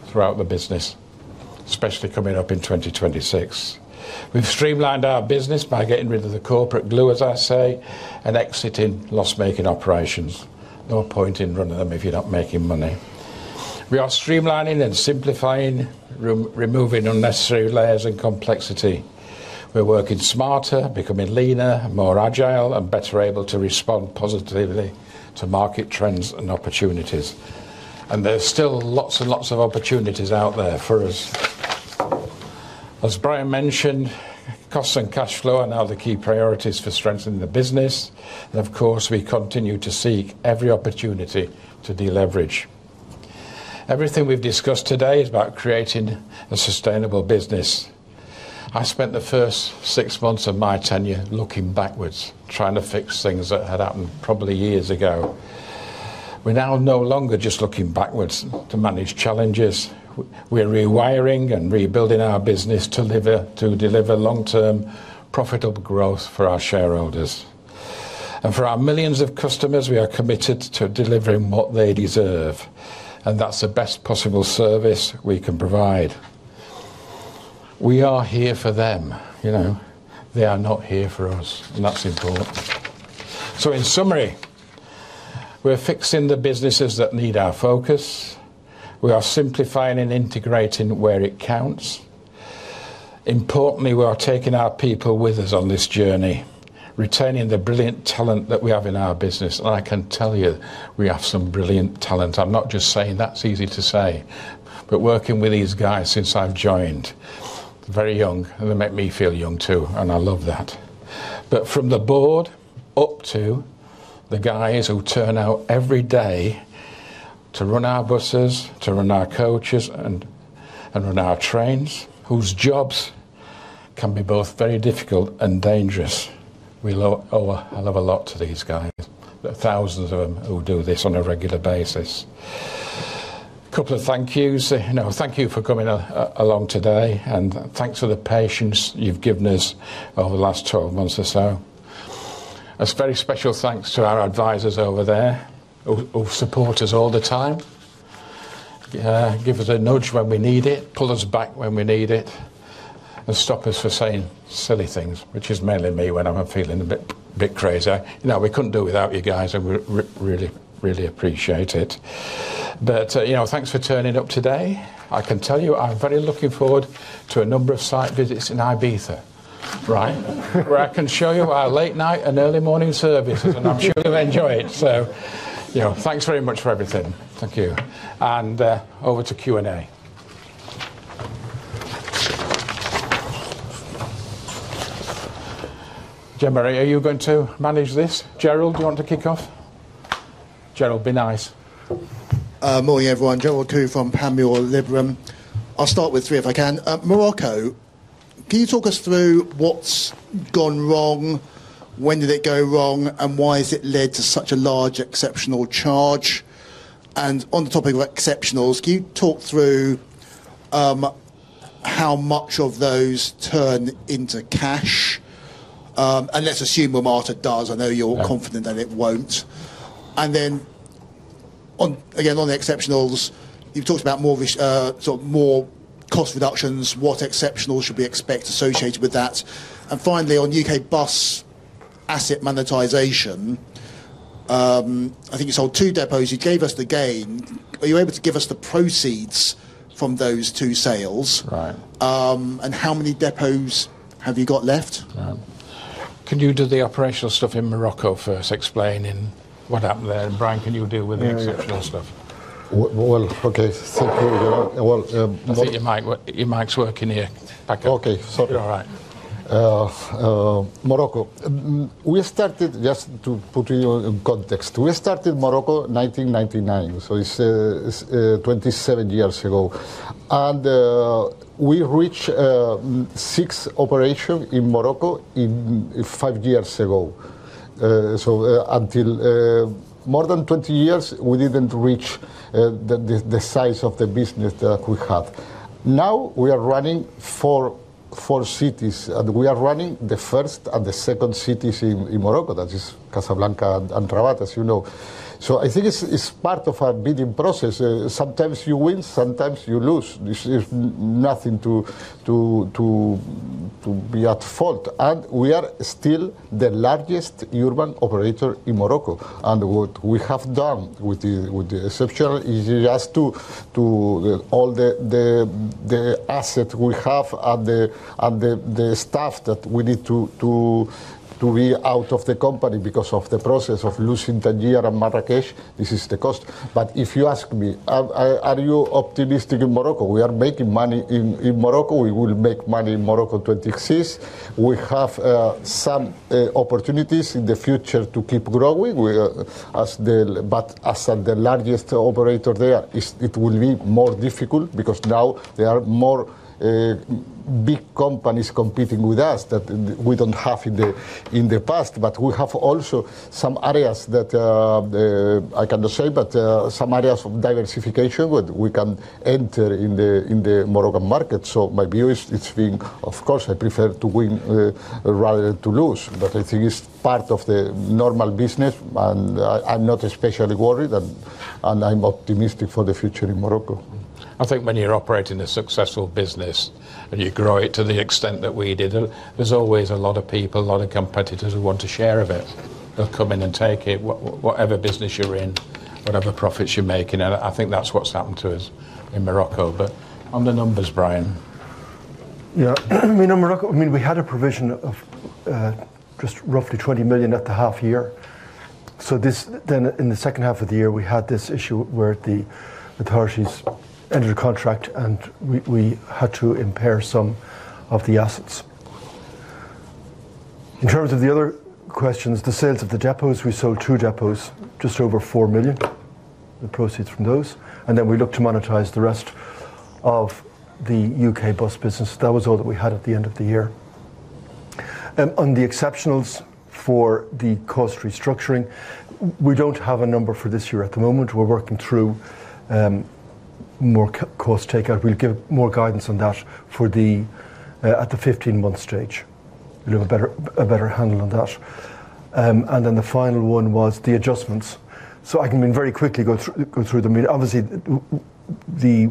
throughout the business, especially coming up in 2026. We've streamlined our business by getting rid of the corporate glue, as I say, and exiting loss-making operations. No point in running them if you're not making money. We are streamlining and simplifying, removing unnecessary layers and complexity. We're working smarter, becoming leaner, more agile, and better able to respond positively to market trends and opportunities. There's still lots and lots of opportunities out there for us. As Brian mentioned, costs and cash flow are now the key priorities for strengthening the business, and of course, we continue to seek every opportunity to deleverage. Everything we've discussed today is about creating a sustainable business. I spent the first six months of my tenure looking backwards, trying to fix things that had happened probably years ago. We're now no longer just looking backwards to manage challenges. We're rewiring and rebuilding our business to deliver long-term, profitable growth for our shareholders. For our millions of customers, we are committed to delivering what they deserve, and that's the best possible service we can provide. We are here for them, you know. They are not here for us, and that's important. In summary, we're fixing the businesses that need our focus. We are simplifying and integrating where it counts. Importantly, we are taking our people with us on this journey, retaining the brilliant talent that we have in our business, and I can tell you, we have some brilliant talent. I'm not just saying. That's easy to say. Working with these guys since I've joined, very young, and they make me feel young, too, and I love that. From the board up to the guys who turn out every day to run our buses, to run our coaches, and run our trains, whose jobs can be both very difficult and dangerous, we owe a lot to these guys. There are thousands of them who do this on a regular basis. Couple of thank yous. You know, thank you for coming along today, and thanks for the patience you've given us over the last 12 months or so. A very special thanks to our advisors over there, who support us all the time. Give us a nudge when we need it, pull us back when we need it, and stop us from saying silly things, which is mainly me when I'm feeling a bit crazy. You know, we couldn't do it without you guys, and we really, really appreciate it. You know, thanks for turning up today. I can tell you, I'm very looking forward to a number of site visits in Ibiza, right? Where I can show you our late night and early morning services, and I'm sure you'll enjoy it. You know, thanks very much for everything. Thank you. Over to Q&A. Gemma, are you going to manage this? Gerald, do you want to kick off? Gerald, be nice. Morning, everyone. Gerald Khoo from Panmure Liberum. I'll start with three, if I can. Morocco, can you talk us through what's gone wrong, when did it go wrong, and why has it led to such a large exceptional charge? On the topic of exceptionals, can you talk through, how much of those turn into cash? Let's assume WMATA does. I know you're-. Yeah Confident that it won't. Then on, again, on the exceptionals, you've talked about more vis, sort of more cost reductions. What exceptional should we expect associated with that? Finally, on U.K. Bus asset monetization, I think you sold two depots. You gave us the gain. Are you able to give us the proceeds from those two sales? Right. How many depots have you got left? Can you do the operational stuff in Morocco first, explaining what happened there? Brian, can you deal with the exceptional stuff? Well, okay. Well, I think your mic, your mic's working here, Paco. Okay, sorry. You're all right. Morocco. Just to put you in context, we started Morocco 1999, so it is 27 years ago. And we reached six operation in Morocco five years ago. So until more than 20 years, we did not reach the size of the business that we have. Now, we are running four cities, and we are running the first and the second cities in Morocco, that is Casablanca and Rabat, as you know. So I think it is part of our bidding process. Sometimes you win, sometimes you lose. This is nothing to be at fault, and we are still the largest urban operator in Morocco. What we have done with the exceptional is just to all the asset we have and the staff that we need to be out of the company because of the process of losing Tangier and Marrakech, this is the cost. If you ask me, are you optimistic in Morocco? We are making money in Morocco. We will make money in Morocco 2026. We have some opportunities in the future to keep growing. As at the largest operator there, it will be more difficult because now there are more big companies competing with us that we don't have in the past. We have also some areas that, I cannot say, but some areas of diversification where we can enter in the Moroccan market. My view is, it's being, of course, I prefer to win rather than to lose. I think it's part of the normal business, and I'm not especially worried, and I'm optimistic for the future in Morocco. I think when you're operating a successful business, and you grow it to the extent that we did, there's always a lot of people, a lot of competitors who want a share of it. They'll come in and take it, whatever business you're in, whatever profits you're making. I think that's what's happened to us in Morocco. On the numbers, Brian. In Morocco, I mean, we had a provision of just roughly 20 million at the half year. Then in the second half of the year, we had this issue where the authorities ended a contract, and we had to impair some of the assets. In terms of the other questions, the sales of the depots, we sold two depots, just over 4 million, the proceeds from those. Then we looked to monetize the rest of the U.K. Bus business. That was all that we had at the end of the year. On the exceptionals for the cost restructuring, we don't have a number for this year. At the moment, we're working through more cost takeout. We'll give more guidance on that for the at the 15-month stage. We'll have a better handle on that. The final one was the adjustments. I can very quickly go through them. I mean, obviously, the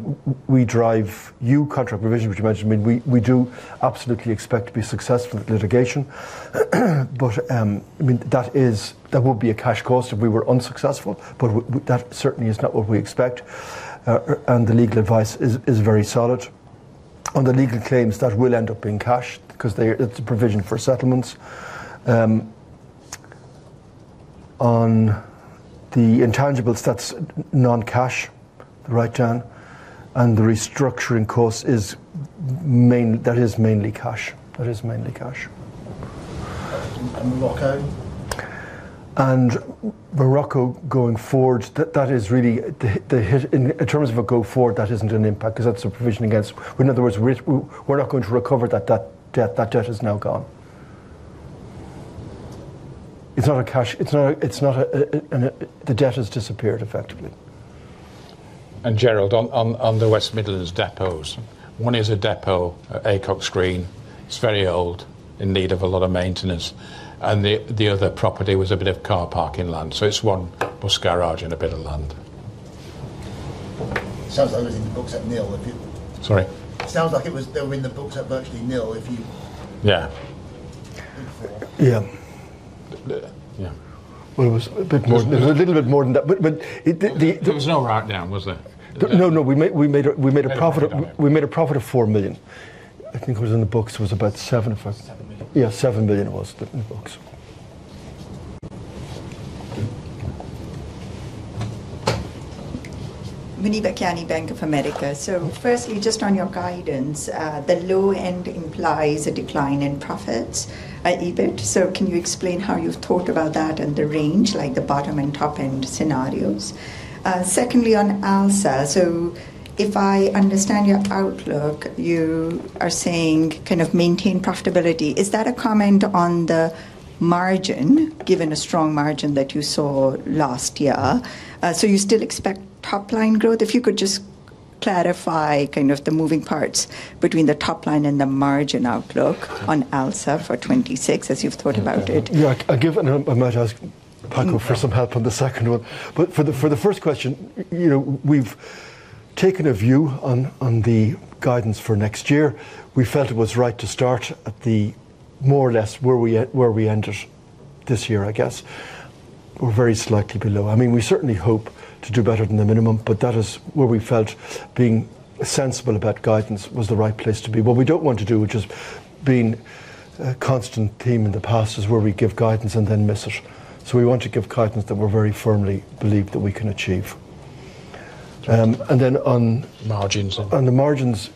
WeDriveU contract provision, which you mentioned. I mean, we do absolutely expect to be successful at litigation. I mean, that there will be a cash cost if we were unsuccessful, but that certainly is not what we expect, and the legal advice is very solid. On the legal claims, that will end up being cash because it's a provision for settlements. On the intangibles, that's non-cash, the write-down, and the restructuring cost that is mainly cash. Morocco? Morocco, going forward, that is really the in terms of a go-forward, that isn't an impact because that's a provision against... In other words, we're not going to recover that debt. That debt is now gone. It's not a cash. It's not a. The debt has disappeared effectively. Gerald, on the West Midlands depots, one is a depot, Acocks Green. It's very old, in need of a lot of maintenance, and the other property was a bit of car parking land. It's one bus garage and a bit of land. Sounds like it was in the books at nil. Sorry? Sounds like it was, they were in the books at virtually nil, if you- Yeah. Yeah. Yeah. it was a bit more, a little bit more than that, but it <crosstalk> There was no write down, was there? No, no. We made a profit. We made a profit. We made a profit of 4 million. I think it was in the books, it was about 7 million. Yeah, 7 million it was in the books. Muneeba Kayani, Bank of America. Firstly, just on your guidance, the low end implies a decline in profits at EBIT. Can you explain how you've thought about that and the range, like the bottom and top-end scenarios? Secondly, on ALSA, if I understand your outlook, you are saying kind of maintain profitability. Is that a comment on the margin, given the strong margin that you saw last year? You still expect top-line growth? If you could just clarify kind of the moving parts between the top line and the margin outlook on ALSA for 2026, as you've thought about it. Yeah. I'll give, and I might ask Paco for some help on the second one. For the first question, you know, we've taken a view on the guidance for next year. We felt it was right to start at the more or less where we ended this year, I guess, or very slightly below. I mean, we certainly hope to do better than the minimum, but that is where we felt being sensible about guidance was the right place to be. What we don't want to do, which has been a constant theme in the past, is where we give guidance and then miss it. We want to give guidance that we very firmly believe that we can achieve. And then on... Margins. On the margins,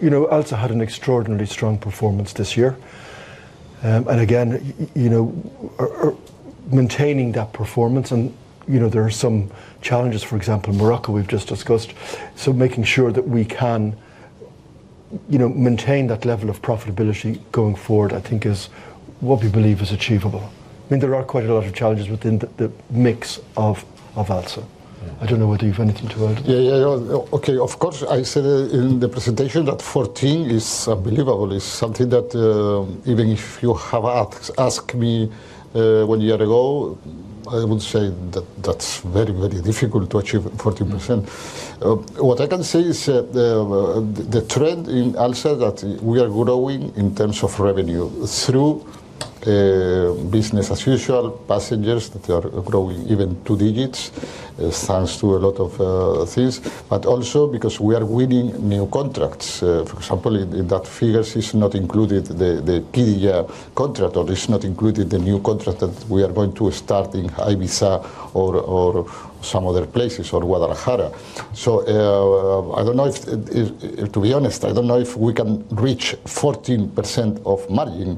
you know, ALSA had an extraordinarily strong performance this year. Again, you know, maintaining that performance, and, you know, there are some challenges, for example, Morocco, we've just discussed. Making sure that we can, you know, maintain that level of profitability going forward, I think is what we believe is achievable. I mean, there are quite a lot of challenges within the mix of ALSA. I don't know whether you've anything to add. Yeah, yeah. Oh, okay. Of course, I said in the presentation that 14 is unbelievable. It's something that, even if you have asked me, one year ago, I would say that that's very, very difficult to achieve 14%. What I can say is that the trend in ALSA, that we are growing in terms of revenue through business as usual. Passengers, they are growing even two digits, thanks to a lot of things, but also because we are winning new contracts. For example, in that figures is not included the Qiddiya contract, or it's not included the new contract that we are going to start in Ibiza or some other places, or Guadalajara. I don't know if to be honest, I don't know if we can reach 14% of margin,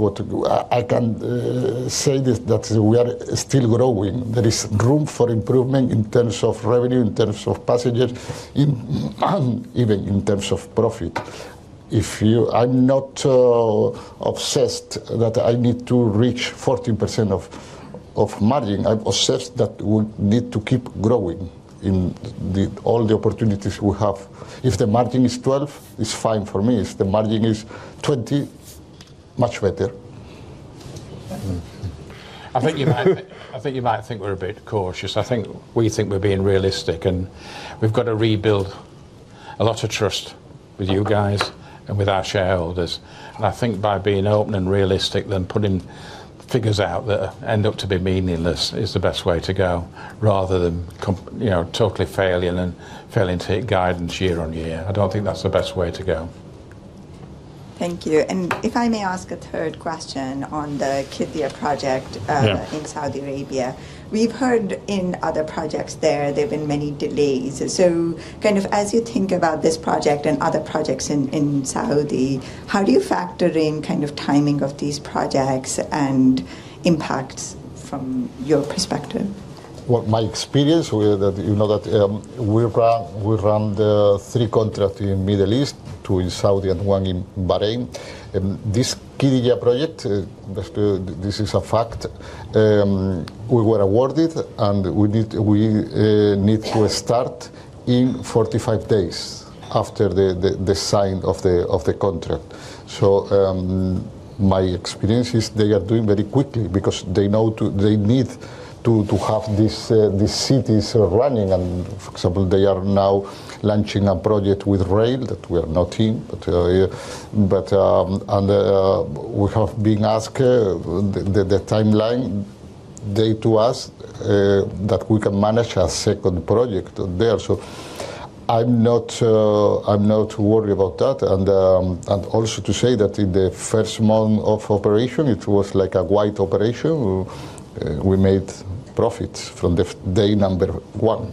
what to do? I can say this, that we are still growing. There is room for improvement in terms of revenue, in terms of passengers, and even in terms of profit. I'm not obsessed that I need to reach 14% of margin. I'm obsessed that we need to keep growing all the opportunities we have. If the margin is 12%, it's fine for me. If the margin is 20%, much better. I think you might, I think you might think we're a bit cautious. I think we think we're being realistic, and we've got to rebuild a lot of trust with you guys and with our shareholders. I think by being open and realistic than putting figures out that end up to be meaningless is the best way to go, rather than you know, totally failing and failing to hit guidance year on year. I don't think that's the best way to go. Thank you. If I may ask a third question on the Qiddiya project? Yeah In Saudi Arabia. We've heard in other projects there have been many delays. Kind of as you think about this project and other projects in Saudi, how do you factor in kind of timing of these projects and impacts from your perspective? Well, my experience with that, you know, that, we run the three contract in Middle East, two in Saudi and one in Bahrain. This Qiddiya project, this is a fact, we were awarded, and we need, we need to start in 45 days after the sign of the contract. My experience is they are doing very quickly because they know they need to have these cities running. For example, they are now launching a project with rail that we are not in, but, and we have been asked the timeline, they to us, that we can manage a second project there. I'm not, I'm not worried about that. Also to say that in the first month of operation, it was like a white operation. We, we made profits from the day number one,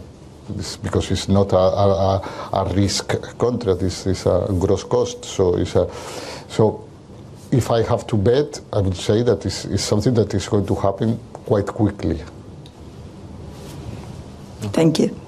because it's not a risk contract. This is a gross cost. If I have to bet, I would say that this is something that is going to happen quite quickly. Thank you.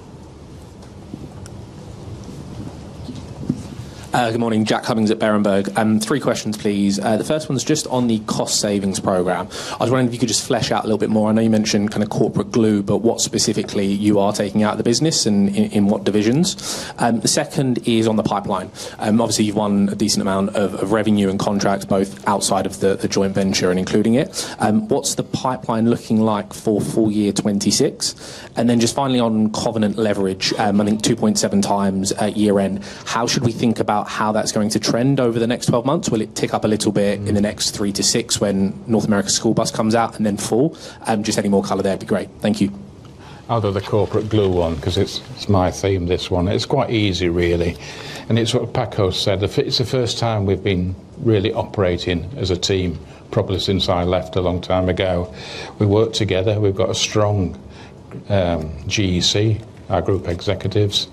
Good morning. Jack Cummings at Berenberg. Three questions, please. The first one is just on the cost savings program. I was wondering if you could just flesh out a little bit more. I know you mentioned kind of corporate glue, but what specifically you are taking out of the business and in what divisions? The second is on the pipeline. Obviously, you've won a decent amount of revenue and contracts, both outside of the joint venture and including it. What's the pipeline looking like for full year 2026? Just finally on covenant leverage, I think 2.7x at year end, how should we think about how that's going to trend over the next 12 months? Will it tick up a little bit in the next three to six when North America School Bus comes out and then fall? Just any more color there would be great. Thank you. I'll do the corporate glue one because it's my theme, this one. It's quite easy, really. It's what Paco said. It's the first time we've been really operating as a team, probably since I left a long time ago. We work together. We've got a strong GEC, our group executives.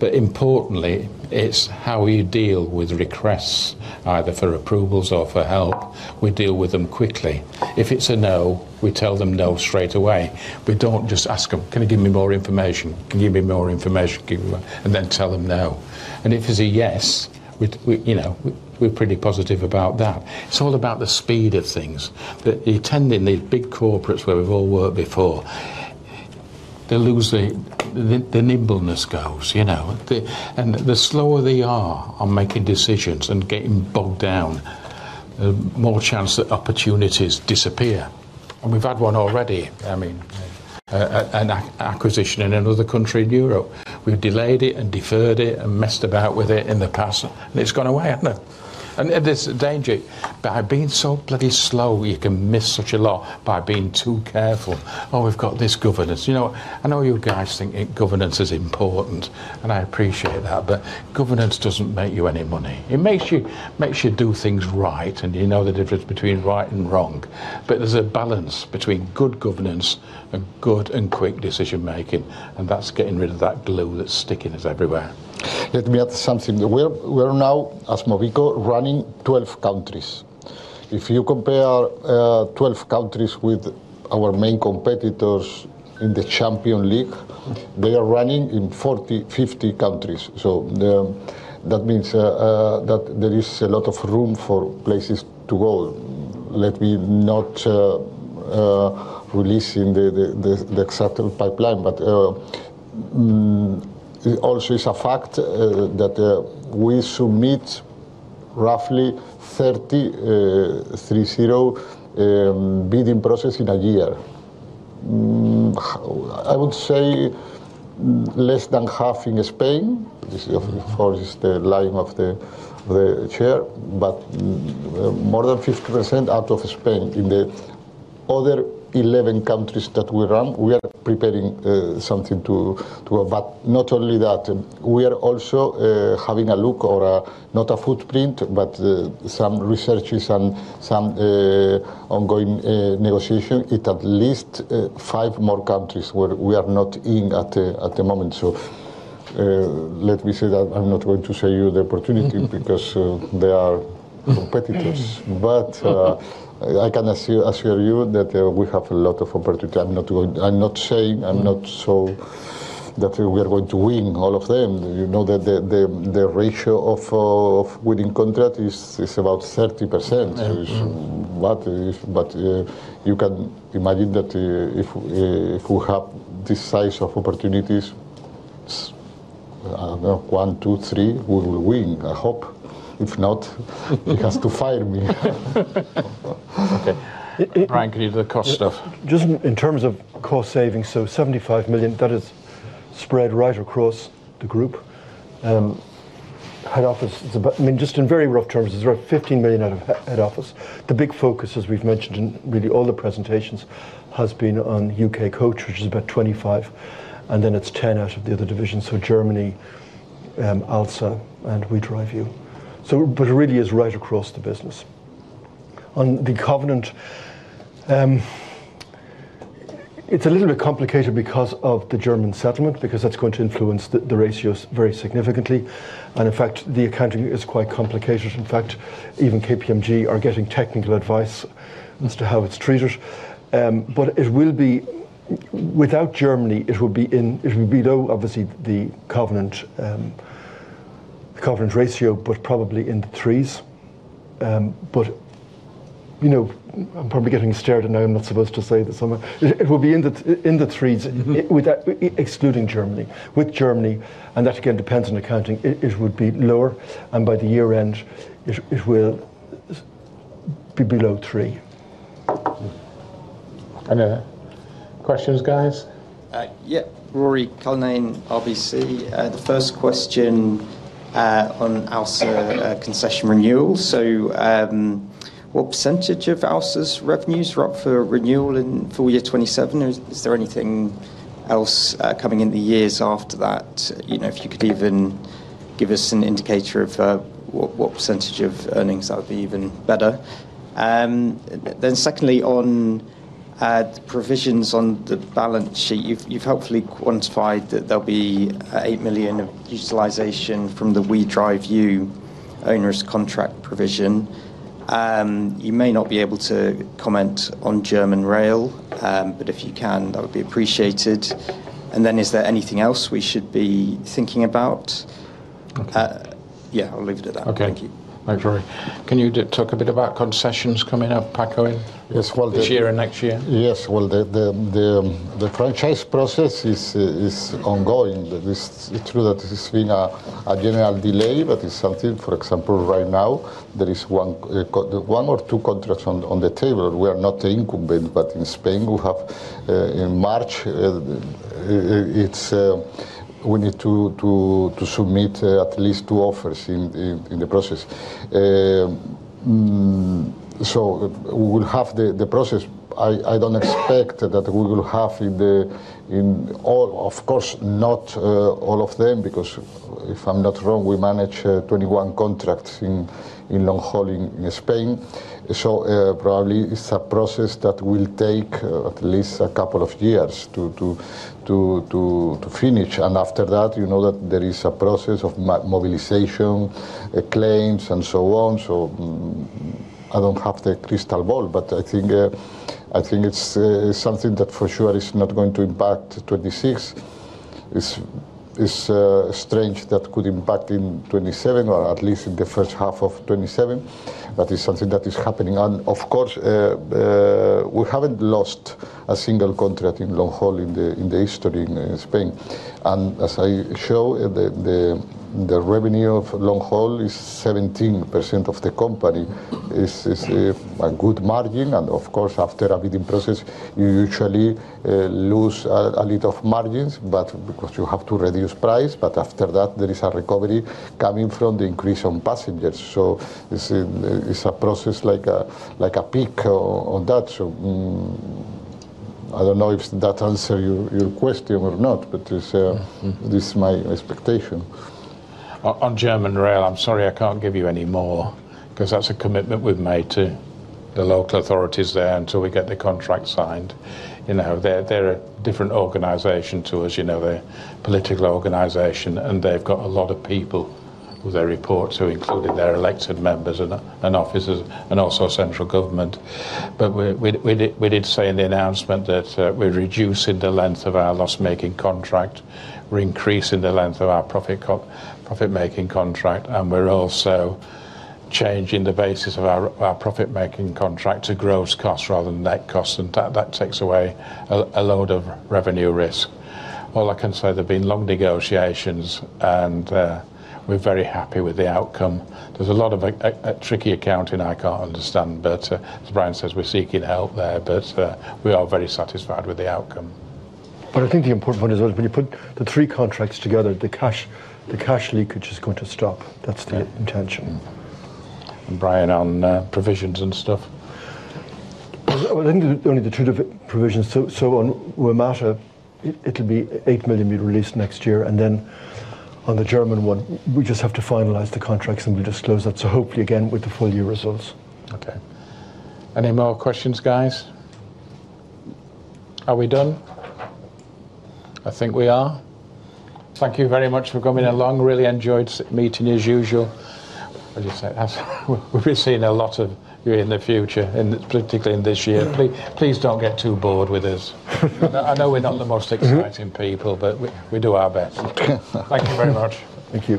Importantly, it's how we deal with requests, either for approvals or for help. We deal with them quickly. If it's a no, we tell them no straight away. We don't just ask them: "Can you give me more information?" Give them, and then tell them no. If it's a yes, we, you know, we're pretty positive about that. It's all about the speed of things. You tend in these big corporates where we've all worked before, they lose the nimbleness goes, you know. The slower they are on making decisions and getting bogged down, the more chance that opportunities disappear. We've had one already. I mean, an acquisition in another country in Europe. We've delayed it and deferred it and messed about with it in the past, and it's gone away, hasn't it? There's a danger. By being so bloody slow, you can miss such a lot by being too careful. We've got this governance. You know, I know you guys think governance is important, and I appreciate that, governance doesn't make you any money. It makes you do things right, and you know the difference between right and wrong. There's a balance between good governance and good and quick decision-making, and that's getting rid of that glue that's sticking us everywhere. Let me add something. We're now, as Mobico, running 12 countries. If you compare 12 countries with our main competitors in the Champions League, they are running in 40, 50 countries. That means there is a lot of room for places to go. Let me not release the exact pipeline, but it also is a fact that we submit roughly 30 bidding process in a year. I would say less than half in Spain. This is, of course, is the line of the Chair, but more than 50% out of Spain. In the other 11 countries that we run, we are preparing something to. Not only that, we are also having a look or not a footprint, but some researches and some ongoing negotiation. It at least five more countries where we are not in at the moment. Let me say that I'm not going to show you the opportunity. Mm-hmm. They are competitors. I can assure you that we have a lot of opportunity. I'm not saying I'm not so, that we are going to win all of them. You know, that the ratio of winning contract is about 30%. Mm-hmm. You can imagine that if we have this size of opportunities, one, two, three, we will win, I hope. If not, he has to fire me. Okay. Brian, could you do the cost stuff. Just in terms of cost savings, 75 million, that is spread right across the group. Head office is about, I mean, just in very rough terms, it's around 15 million out of head office. The big focus, as we've mentioned in really all the presentations, has been on U.K. Coach, which is about 25 million, and then it's 10 million out of the other divisions, so Germany, ALSA, and WeDriveU. But it really is right across the business. On the covenant, it's a little bit complicated because of the German settlement, because that's going to influence the ratios very significantly. In fact, the accounting is quite complicated. In fact, even KPMG are getting technical advice as to how it's treated. It will be without Germany, it will be low, obviously, the covenant, the covenant ratio, but probably in the threes. You know, I'm probably getting stared at now, I'm not supposed to say this so much. It will be in the threes. Mm-hmm. Without, excluding Germany. With Germany, that again, depends on accounting, it would be lower, and by the year-end, it will be below three. Any other questions, guys? Yeah. Ruairi Cullinane, RBC. The first question on ALSA concession renewal. What percentage of ALSA's revenues are up for renewal in full year 2027? Is there anything else coming in the years after that? You know, if you could even give us an indicator of what percentage of earnings, that would be even better. Secondly, on provisions on the balance sheet. You've helpfully quantified that there'll be 8 million of utilization from the WeDriveU onerous contract provision. You may not be able to comment on German Rail, but if you can, that would be appreciated. Is there anything else we should be thinking about? Okay. Yeah, I'll leave it at that. Okay. Thank you. Thanks, Ruairi Can you talk a bit about concessions coming up, Paco? Yes. This year and next year? Yes. Well, the franchise process is ongoing. It's true that there's been a general delay, but it's something, for example, right now there is one or two contracts on the table. We are not the incumbent, but in Spain, we have, in March, it's, we need to submit at least two offers in the process. We will have the process. I don't expect that we will have in all... Of course, not all of them, because if I'm not wrong, we manage 21 contracts in long haul in Spain. Probably it's a process that will take at least a couple of years to finish. After that, you know that there is a process of mobilization, claims, and so on. I don't have the crystal ball, but I think it's something that for sure is not going to impact 2026. It's strange that could impact in 2027 or at least in the first half of 2027. That is something that is happening. Of course, we haven't lost a single contract in long haul in the history in Spain. As I show, the revenue of long haul is 17% of the company. Is a good margin, and of course, after a bidding process, you usually lose a little of margins, but because you have to reduce price, but after that, there is a recovery coming from the increase on passengers. It's a process like a peak on that. I don't know if that answer your question or not, but is... This is my expectation. On German Rail, I'm sorry, I can't give you any more because that's a commitment we've made to the local authorities there until we get the contract signed. You know, they're a different organization to us, you know, a political organization, and they've got a lot of people who they report to, including their elected members and officers, and also central government. We did say in the announcement that we're reducing the length of our loss-making contract, we're increasing the length of our profit-making contract, and we're also changing the basis of our profit-making contract to gross costs rather than net costs, and that takes away a load of revenue risk. All I can say, there have been long negotiations, and we're very happy with the outcome. There's a lot of tricky accounting I can't understand, but as Brian says, we're seeking help there, but we are very satisfied with the outcome. I think the important point is when you put the three contracts together, the cash, the cash leakage is going to stop. That's the intention. Brian, on provisions and stuff? I think only the two different provisions, so on WMATA, it'll be 8 million being released next year. On the German one, we just have to finalize the contracts, and we disclose that. Hopefully, again, with the full year results. Okay. Any more questions, guys? Are we done? I think we are. Thank you very much for coming along. Really enjoyed meeting as usual. As you said, as we've been seeing a lot of you in the future, and particularly in this year. Please don't get too bored with us. I know we're not the most exciting people. But we do our best. Thank you very much. Thank you.